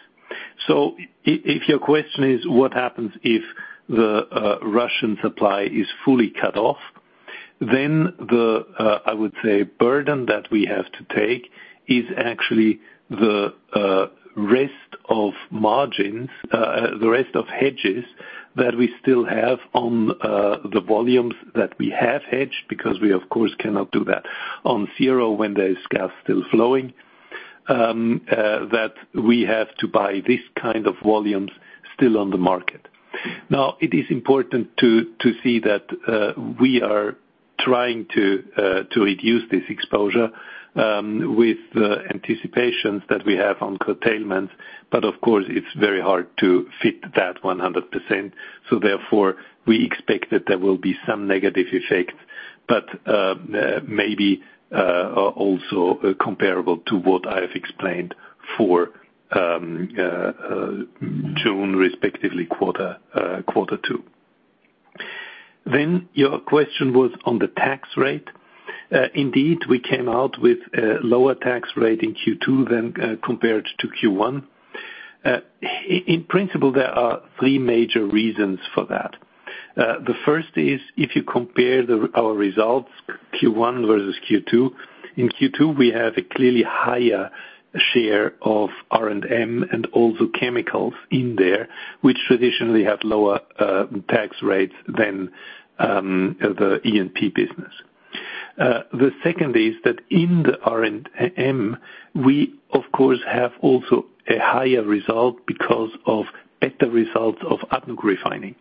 If your question is what happens if the Russian supply is fully cut off, then I would say the burden that we have to take is actually the rest of margins, the rest of hedges that we still have on the volumes that we have hedged because we of course cannot do that on zero when there is gas still flowing, that we have to buy this kind of volumes still on the market. Now, it is important to see that we are trying to reduce this exposure with anticipations that we have on curtailment. Of course, it's very hard to fit that 100%. Therefore, we expect that there will be some negative effects, but, maybe, also comparable to what I have explained for, June, respectively quarter two. Your question was on the tax rate. Indeed, we came out with a lower tax rate in Q2 than, compared to Q1. In principle, there are three major reasons for that. The first is if you compare our results, Q1 versus Q2, in Q2, we have a clearly higher share of R&M and also chemicals in there, which traditionally have lower tax rates than, the E&P business. The second is that in the R&M, we, of course, have also a higher result because of better results of ADNOC Refining.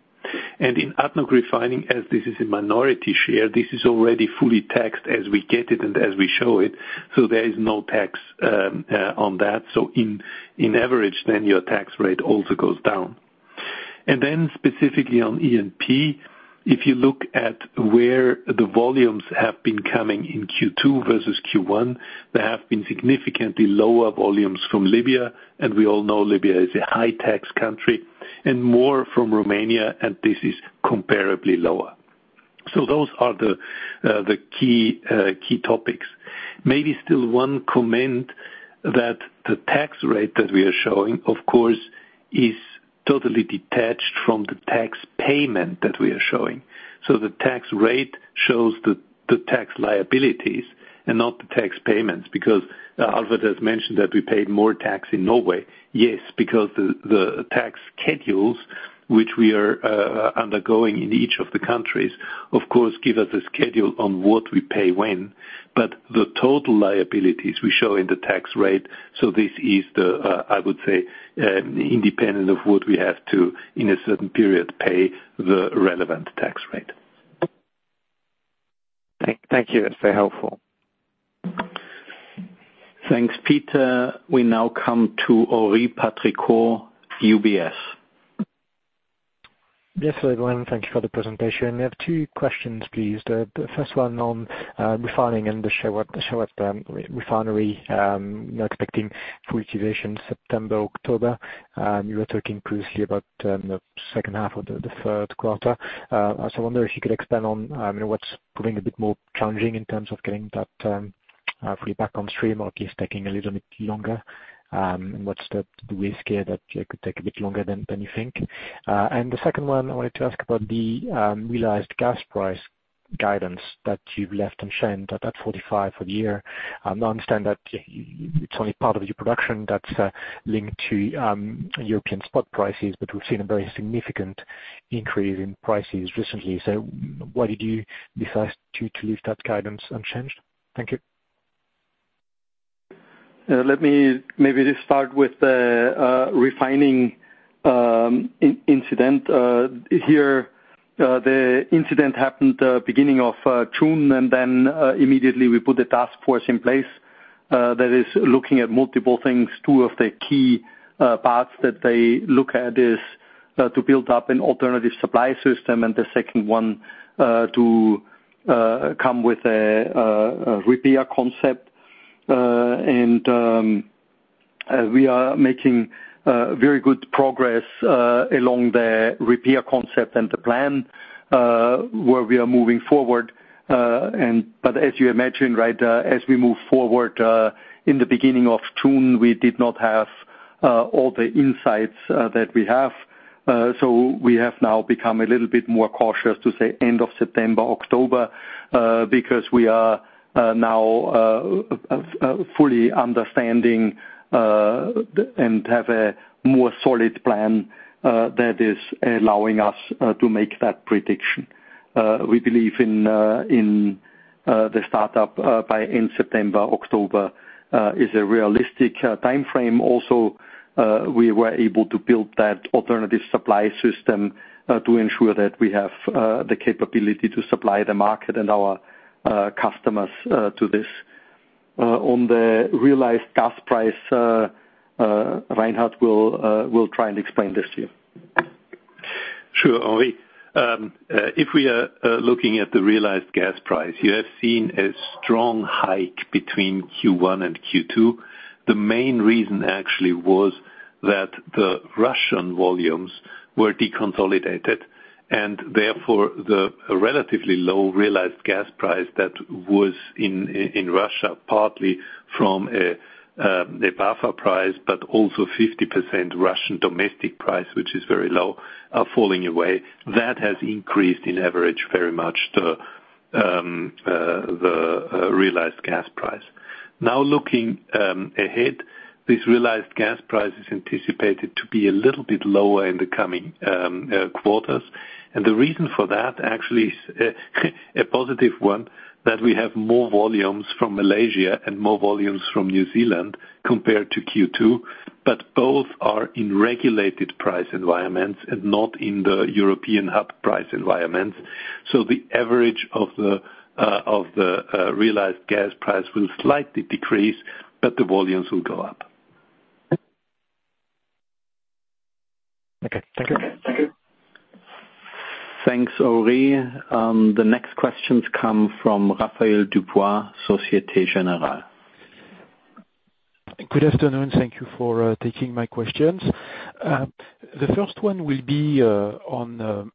In ADNOC Refining, as this is a minority share, this is already fully taxed as we get it and as we show it, so there is no tax on that. On average then your tax rate also goes down. Specifically on E&P, if you look at where the volumes have been coming in Q2 versus Q1, there have been significantly lower volumes from Libya, and we all know Libya is a high tax country, and more from Romania, and this is comparably lower. Those are the key topics. Maybe still one comment that the tax rate that we are showing, of course, is totally detached from the tax payment that we are showing. The tax rate shows the tax liabilities and not the tax payments, because Alfred has mentioned that we paid more tax in Norway. Yes, because the tax schedules which we are undergoing in each of the countries, of course, give us a schedule on what we pay when. But the total liabilities we show in the tax rate, so this is, I would say, independent of what we have to, in a certain period, pay the relevant tax rate. Thank you. That's very helpful. Thanks, Peter. We now come to Henri Patricot, UBS. Yes, everyone, thank you for the presentation. I have two questions, please. The first one on refining and the Schwechat refinery. You're expecting full utilization September, October. You were talking previously about the second half of the third quarter. So I wonder if you could expand on what's proving a bit more challenging in terms of getting the Schwechat back on stream or is taking a little bit longer, what's the risk here that it could take a bit longer than you think? And the second one, I wanted to ask about the realized gas price guidance that you've left unchanged at 45 for the year. I understand that it's only part of your production that's linked to European spot prices, but we've seen a very significant increase in prices recently. Why did you decide to leave that guidance unchanged? Thank you. Let me maybe just start with the refining incident. Here, the incident happened beginning of June, and then immediately we put a task force in place that is looking at multiple things. Two of the key parts that they look at is to build up an alternative supply system and the second one to come with a repair concept. We are making very good progress along the repair concept and the plan where we are moving forward. As you imagine, right, as we move forward, in the beginning of June, we did not have all the insights that we have. We have now become a little bit more cautious to say end of September, October, because we are now fully understanding and have a more solid plan that is allowing us to make that prediction. We believe in the startup by end September, October is a realistic time frame. Also, we were able to build that alternative supply system to ensure that we have the capability to supply the market and our customers to this. On the realized gas price, Reinhard will try and explain this to you. Sure, Henri. If we are looking at the realized gas price, you have seen a strong hike between Q1 and Q2. The main reason actually was that the Russian volumes were deconsolidated, and therefore, the relatively low realized gas price that was in Russia, partly from the buffer price, but also 50% Russian domestic price, which is very low, are falling away. That has increased in average very much the realized gas price. Now, looking ahead, this realized gas price is anticipated to be a little bit lower in the coming quarters. The reason for that actually is a positive one, that we have more volumes from Malaysia and more volumes from New Zealand compared to Q2, but both are in regulated price environments and not in the European hub price environments. The average of the realized gas price will slightly decrease, but the volumes will go up. Okay. Thank you. Thank you. Thanks, Henri. The next questions come from Raphaël DuBois, Société Générale. Good afternoon. Thank you for taking my questions. The first one will be on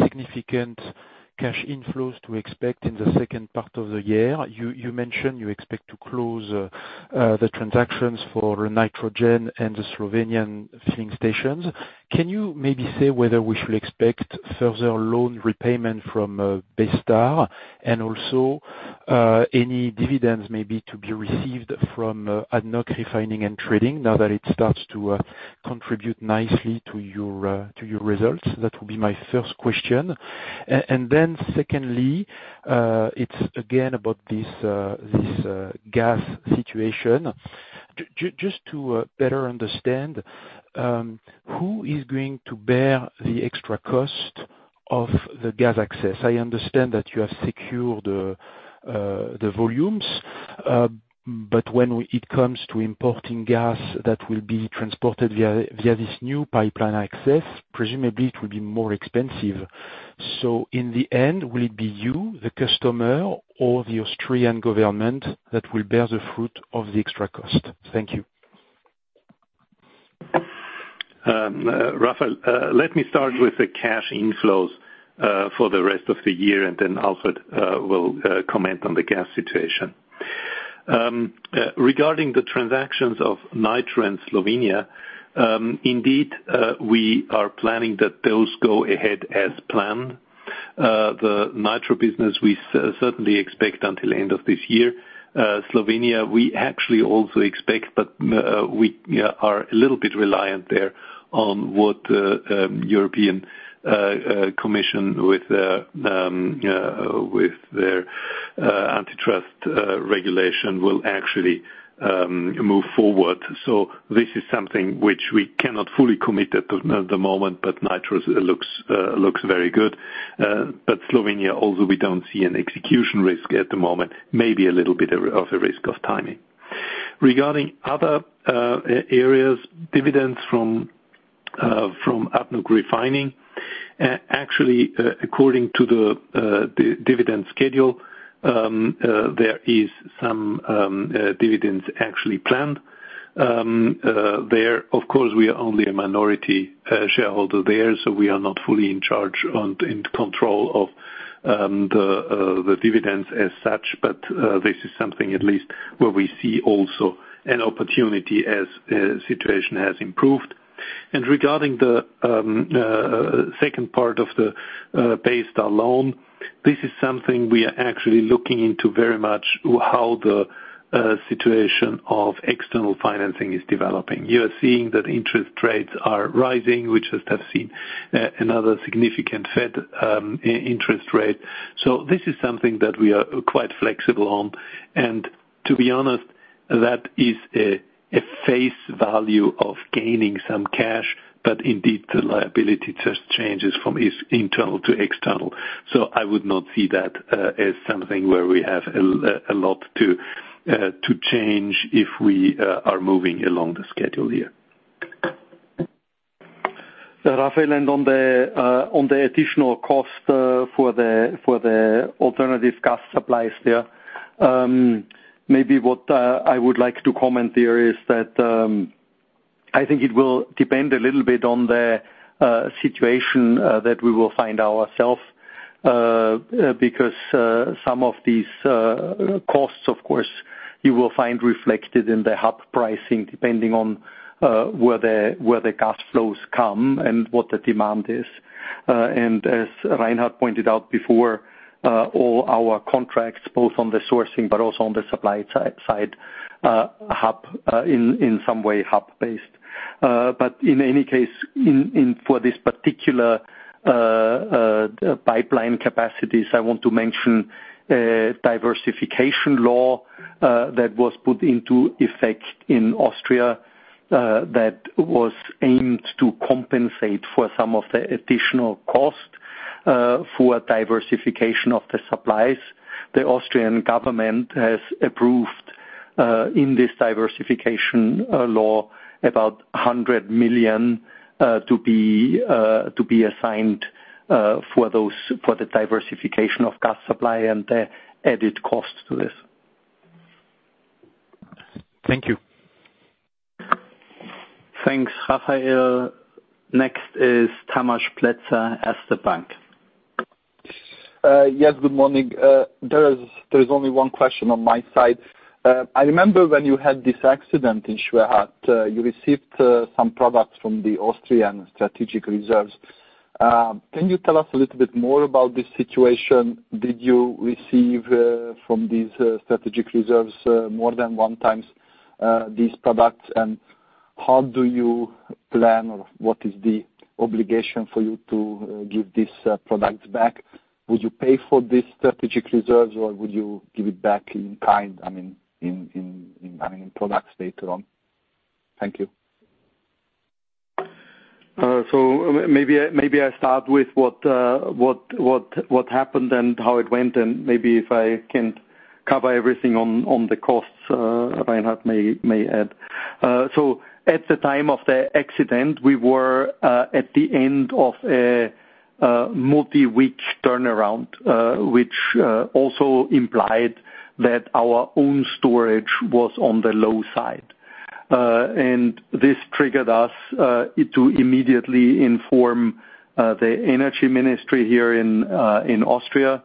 significant cash inflows to expect in the second part of the year. You mentioned you expect to close the transactions for nitrogen and the Slovenian filling stations. Can you maybe say whether we should expect further loan repayment from Baystar? And also, any dividends may be to be received from ADNOC Refining and Trading now that it starts to contribute nicely to your results? That will be my first question. Secondly, it's again about this gas situation. Just to better understand who is going to bear the extra cost of the gas access? I understand that you have secured the volumes, but when it comes to importing gas that will be transported via this new pipeline access, presumably it will be more expensive. In the end, will it be you, the customer, or the Austrian government that will bear the fruit of the extra cost? Thank you. Raphaël, let me start with the cash inflows for the rest of the year, and then Alfred will comment on the gas situation. Regarding the transactions of Nitrogen and Slovenia, indeed, we are planning that those go ahead as planned. The Nitrogen business we certainly expect until end of this year. Slovenia, we actually also expect, but we are a little bit reliant there on what European Commission with their antitrust regulation will actually move forward. This is something which we cannot fully commit at the moment, but Nitrogen looks very good. But Slovenia, although we don't see an execution risk at the moment, may be a little bit of a risk of timing. Regarding other areas, dividends from ADNOC Refining, actually, according to the dividend schedule, there is some dividends actually planned. There of course, we are only a minority shareholder there, so we are not fully in charge and in control of the dividends as such. This is something at least where we see also an opportunity as situation has improved. Regarding the second part of the Baystar loan, this is something we are actually looking into very much how the situation of external financing is developing. You are seeing that interest rates are rising, which just have seen another significant Fed interest rate. This is something that we are quite flexible on. To be honest, that is a face value of gaining some cash. Indeed, the liability just changes from its internal to external. I would not see that as something where we have a lot to change if we are moving along the schedule here. Raphaël, and on the additional cost for the alternative gas supplies there, maybe what I would like to comment there is that I think it will depend a little bit on the situation that we will find ourself because some of these costs, of course, you will find reflected in the hub pricing, depending on where the gas flows come and what the demand is. As Reinhard pointed out before, all our contracts, both on the sourcing but also on the supply side, hub in some way hub based. In any case, for this particular pipeline capacities, I want to mention a diversification law that was put into effect in Austria that was aimed to compensate for some of the additional cost for diversification of the supplies. The Austrian government has approved in this diversification law about 100 million to be assigned for the diversification of gas supply and the added cost to this. Thank you. Thanks, Raphaël. Next is Tamás Pletser, Erste Bank. Yes, good morning. There is only one question on my side. I remember when you had this accident in Schwechat, you received some products from the Austrian strategic reserves. Can you tell us a little bit more about this situation? Did you receive from these strategic reserves more than one times these products? How do you plan, or what is the obligation for you to give these products back? Would you pay for these strategic reserves, or would you give it back in kind, I mean, in products later on? Thank you. Maybe I start with what happened and how it went. Maybe if I can cover everything on the costs, Reinhard may add. At the time of the accident, we were at the end of a multi-week turnaround, which also implied that our own storage was on the low side. This triggered us to immediately inform the energy ministry here in Austria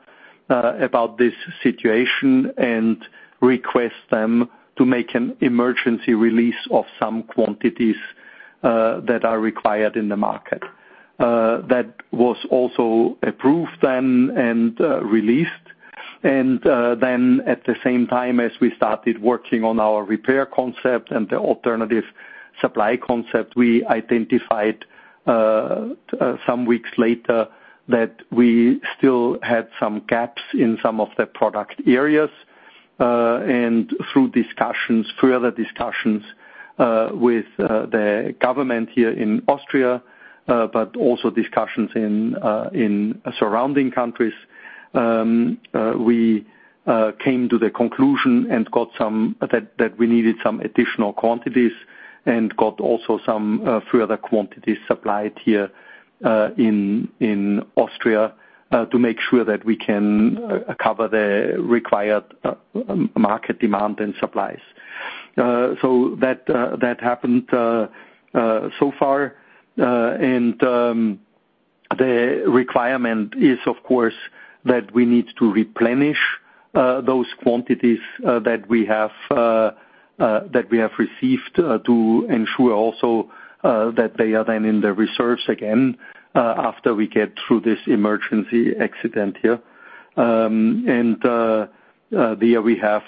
about this situation and request them to make an emergency release of some quantities that are required in the market. That was also approved then and released. At the same time as we started working on our repair concept and the alternative supply concept, we identified some weeks later that we still had some gaps in some of the product areas. Through discussions, further discussions with the government here in Austria, but also discussions in surrounding countries, we came to the conclusion that we needed some additional quantities and got also some further quantities supplied here in Austria to make sure that we can cover the required market demand and supplies. That happened so far. The requirement is of course that we need to replenish those quantities that we have received to ensure also that they are then in the reserves again after we get through this emergency accident here. There we have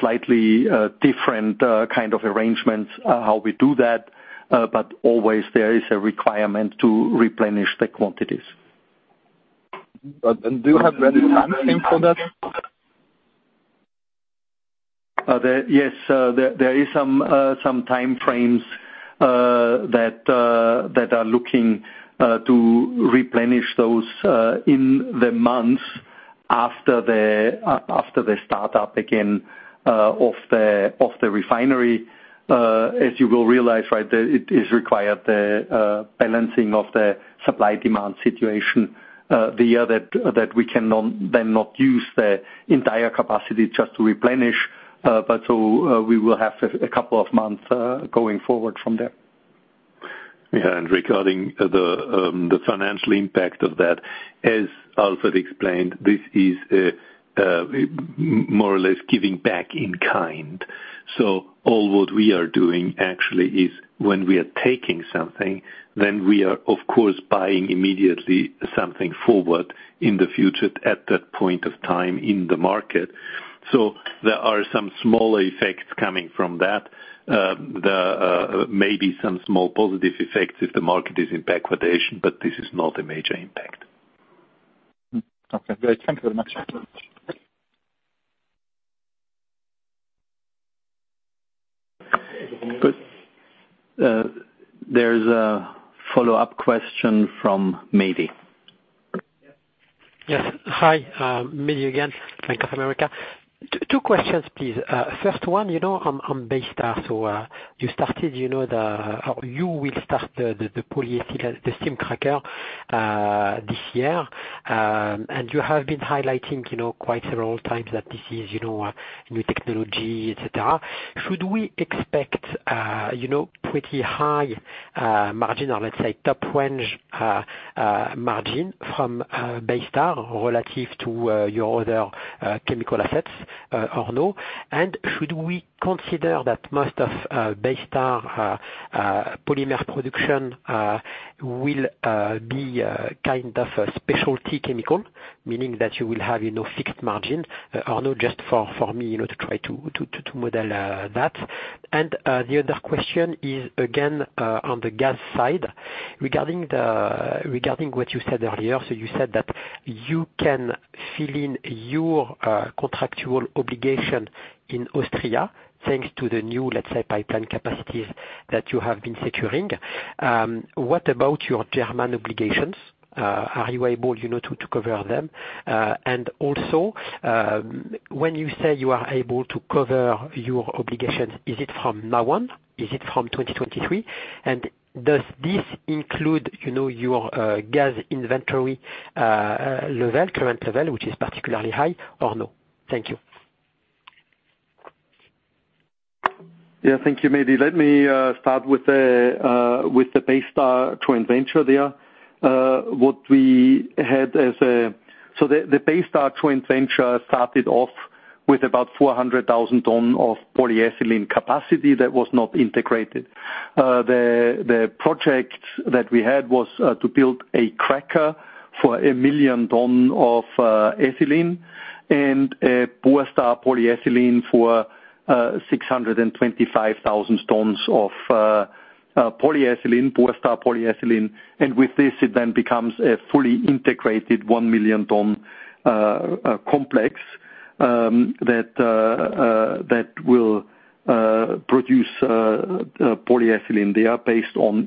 slightly different kind of arrangements how we do that. Always there is a requirement to replenish the quantities. Do you have any timing for that? There is some time frames that are looking to replenish those in the months after the startup again of the refinery. As you will realize, right, that it is required the balancing of the supply-demand situation, the year that we can not then not use the entire capacity just to replenish. We will have a couple of months going forward from there. Regarding the financial impact of that, as Alfred explained, this is more or less giving back in kind. All what we are doing actually is when we are taking something, then we are of course buying immediately something forward in the future at that point of time in the market. There are some small effects coming from that. Maybe some small positive effects if the market is in backwardation, but this is not a major impact. Okay, great. Thank you very much. Good. There's a follow-up question from Mehdi. Yes. Hi, Mehdi again, Bank of America. Two questions, please. First one, you know, on Baystar. You will start the polyolefin, the steam cracker this year. And you have been highlighting, you know, quite several times that this is, you know, new technology, etc. Should we expect, you know, pretty high margin or let's say top range margin from Baystar relative to your other chemical assets, or no? And should we consider that most of Baystar polymer production will be kind of a specialty chemical, meaning that you will have, you know, fixed margin or no, just for me, you know, to try to model that? The other question is, again, on the gas side, regarding what you said earlier. You said that you can fill in your contractual obligation in Austria, thanks to the new, let's say, pipeline capacities that you have been securing. What about your German obligations? Are you able, you know, to cover them? And also, when you say you are able to cover your obligations, is it from now on? Is it from 2023? And does this include, you know, your gas inventory's current level, which is particularly high, or no? Thank you. Yeah. Thank you, Mehdi. Let me start with the Baystar joint venture there. The Baystar joint venture started off with about 400,000 ton of polyethylene capacity that was not integrated. The project that we had was to build a cracker for 1 million ton of ethylene and a Borstar polyethylene for 625,000 tons of polyethylene, Borstar polyethylene. With this, it then becomes a fully integrated 1 million ton complex that will produce polyethylene there based on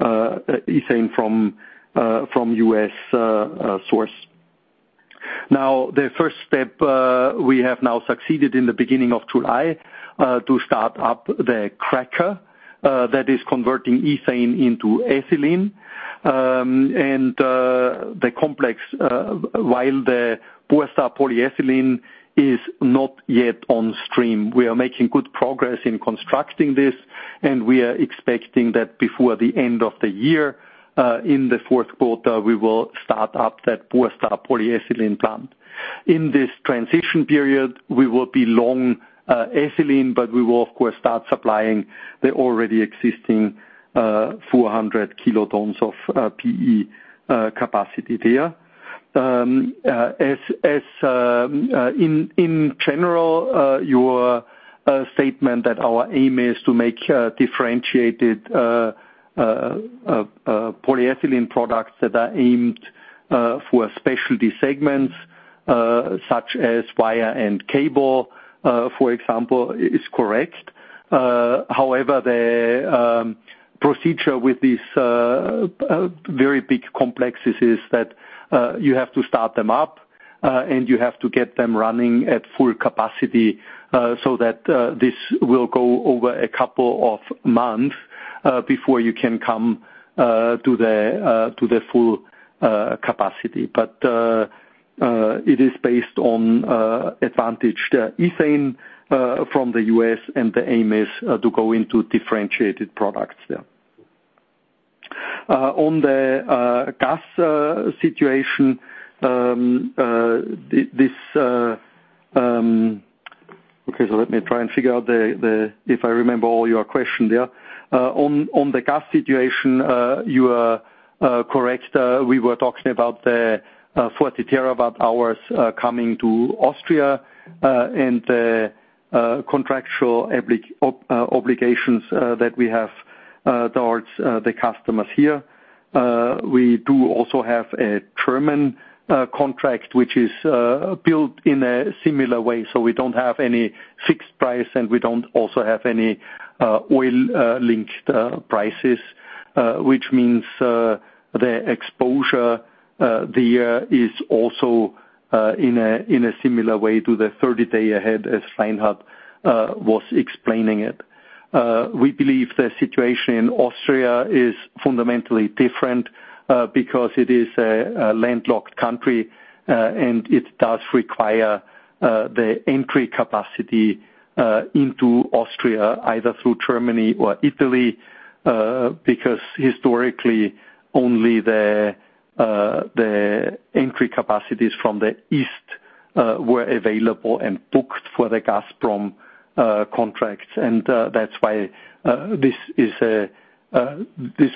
ethane from U.S. source. Now, the first step, we have now succeeded in the beginning of July to start up the cracker that is converting ethane into ethylene. The complex, while the Borstar polyethylene is not yet on stream. We are making good progress in constructing this, and we are expecting that before the end of the year, in the fourth quarter, we will start up that Borstar polyethylene plant. In this transition period, we will be long ethylene, but we will of course start supplying the already existing 400 kilotons of [PE] capacity there. In general, your statement that our aim is to make differentiated polyethylene products that are aimed for specialty segments, such as wire and cable, for example, is correct. However, the procedure with these very big complexes is that you have to start them up and you have to get them running at full capacity, so that this will go over a couple of months before you can come to the full capacity. It is based on advantaged ethane from the U.S., and the aim is to go into differentiated products there. On the gas situation, okay, let me try and figure out if I remember all your question there. On the gas situation, you are correct. We were talking about the 40 TWh coming to Austria and the contractual obligations that we have towards the customers here. We do also have a German contract which is built in a similar way, so we don't have any fixed price, and we don't also have any oil linked prices. Which means the exposure is also in a similar way to the 30-day ahead as Reinhard was explaining it. We believe the situation in Austria is fundamentally different because it is a landlocked country and it does require the entry capacity into Austria, either through Germany or Italy, because historically, only the entry capacities from the east were available and booked for the Gazprom contracts. That's why this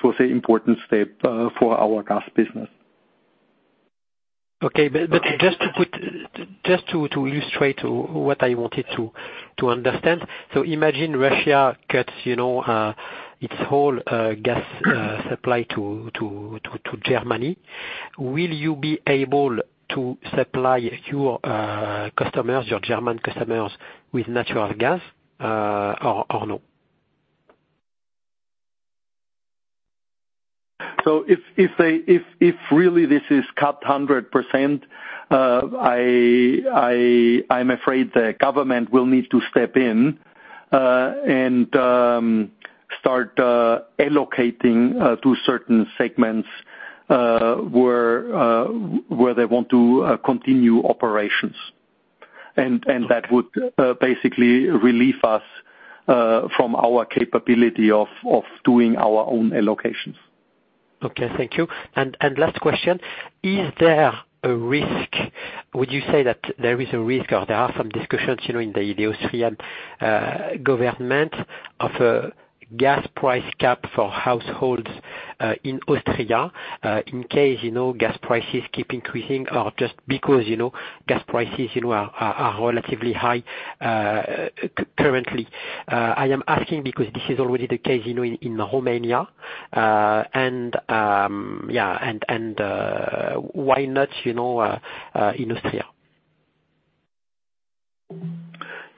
was an important step for our gas business. Okay. Just to illustrate what I wanted to understand. Imagine Russia cuts, you know, its whole gas supply to Germany. Will you be able to supply your customers, your German customers, with natural gas, or no? If they really this is capped 100%, I'm afraid the government will need to step in and start allocating to certain segments where they want to continue operations. That would basically relieve us from our capability of doing our own allocations. Okay, thank you. Last question: Is there a risk? Would you say that there is a risk or there are some discussions, you know, in the Austrian government of a gas price cap for households in Austria in case, you know, gas prices keep increasing or just because, you know, gas prices, you know, are relatively high currently. I am asking because this is already the case, you know, in Romania. Why not, you know, in Austria? Yeah,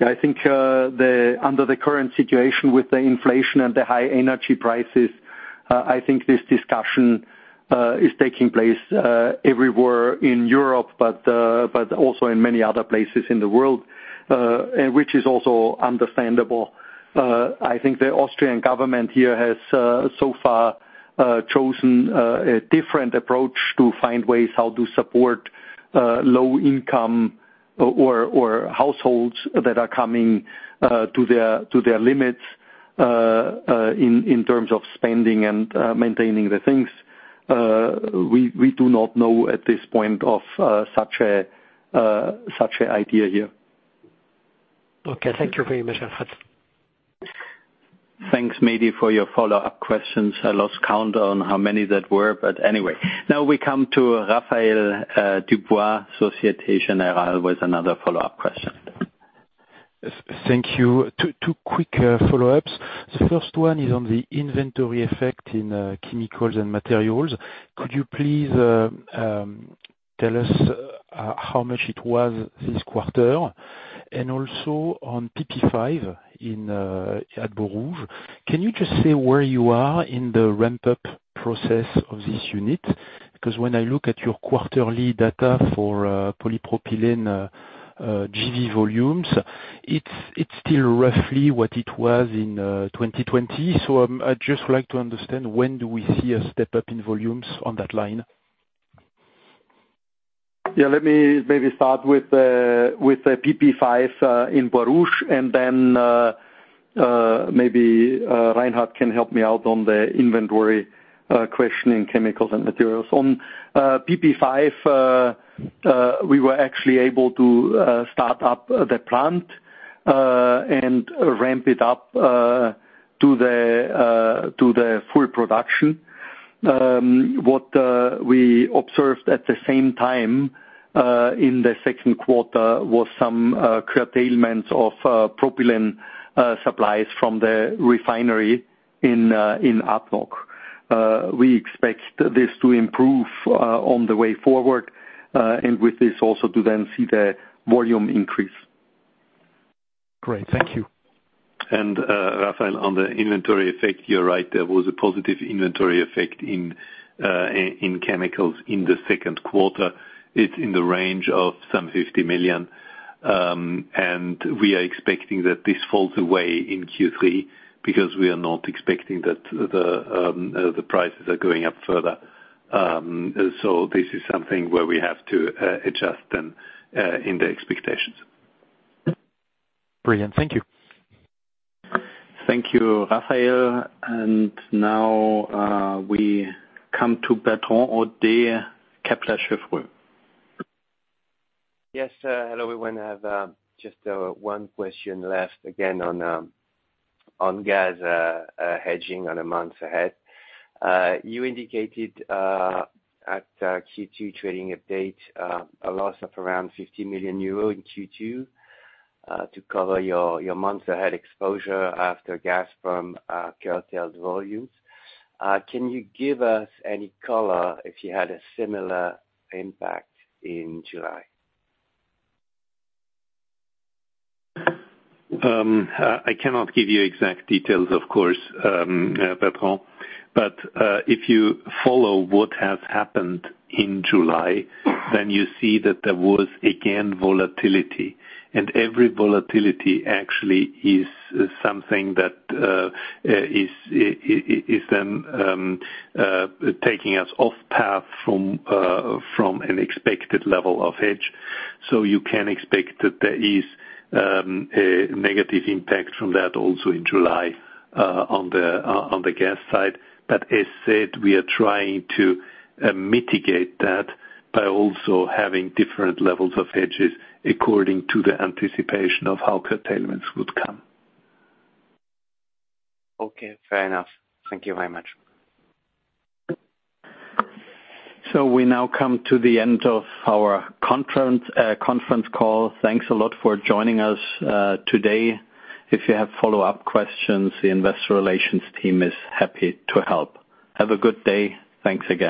I think under the current situation with the inflation and the high energy prices, I think this discussion is taking place everywhere in Europe, but also in many other places in the world, and which is also understandable. I think the Austrian government here has so far chosen a different approach to find ways how to support low income or households that are coming to their limits in terms of spending and maintaining the things. We do not know at this point of such a idea here. Okay, thank you very much. Thanks, Mehdi, for your follow-up questions. I lost count on how many that were, but anyway. Now we come to Raphaël DuBois, Société Générale with another follow-up question. Yes, thank you. Two quick follow-ups. The first one is on the inventory effect in chemicals and materials. Could you please tell us how much it was this quarter? Also on PP5 at Borouge, can you just say where you are in the ramp-up process of this unit? Because when I look at your quarterly data for polypropylene GV volumes, it's still roughly what it was in 2020. I'd just like to understand when do we see a step-up in volumes on that line? Yeah, let me maybe start with the PP5 in Borouge and then maybe Reinhard can help me out on the inventory question in chemicals and materials. On PP5, we were actually able to start up the plant and ramp it up to the full production. What we observed at the same time in the second quarter was some curtailment of propylene supplies from the refinery in ADNOC. We expect this to improve on the way forward and with this also to then see the volume increase. Great. Thank you. Raphaël, on the inventory effect, you're right. There was a positive inventory effect in chemicals in the second quarter. It's in the range of some 50 million. We are expecting that this falls away in Q3 because we are not expecting that the prices are going up further. This is something where we have to adjust then in the expectations. Brilliant. Thank you. Thank you, Raphaël. Now, we come to Bertrand Hodée, Kepler Cheuvreux. Yes. Hello, everyone. I have just one question left again on gas hedging on a month ahead. You indicated at Q2 trading update a loss of around 50 million euro in Q2 to cover your month ahead exposure after Gazprom curtailed volumes. Can you give us any color if you had a similar impact in July? I cannot give you exact details, of course, Bertrand. If you follow what has happened in July, then you see that there was again volatility. Every volatility actually is something that is taking us off path from an expected level of hedge. You can expect that there is a negative impact from that also in July, on the gas side. As said, we are trying to mitigate that by also having different levels of hedges according to the anticipation of how curtailments would come. Okay, fair enough. Thank you very much. We now come to the end of our conference call. Thanks a lot for joining us today. If you have follow-up questions, the investor relations team is happy to help. Have a good day. Thanks again.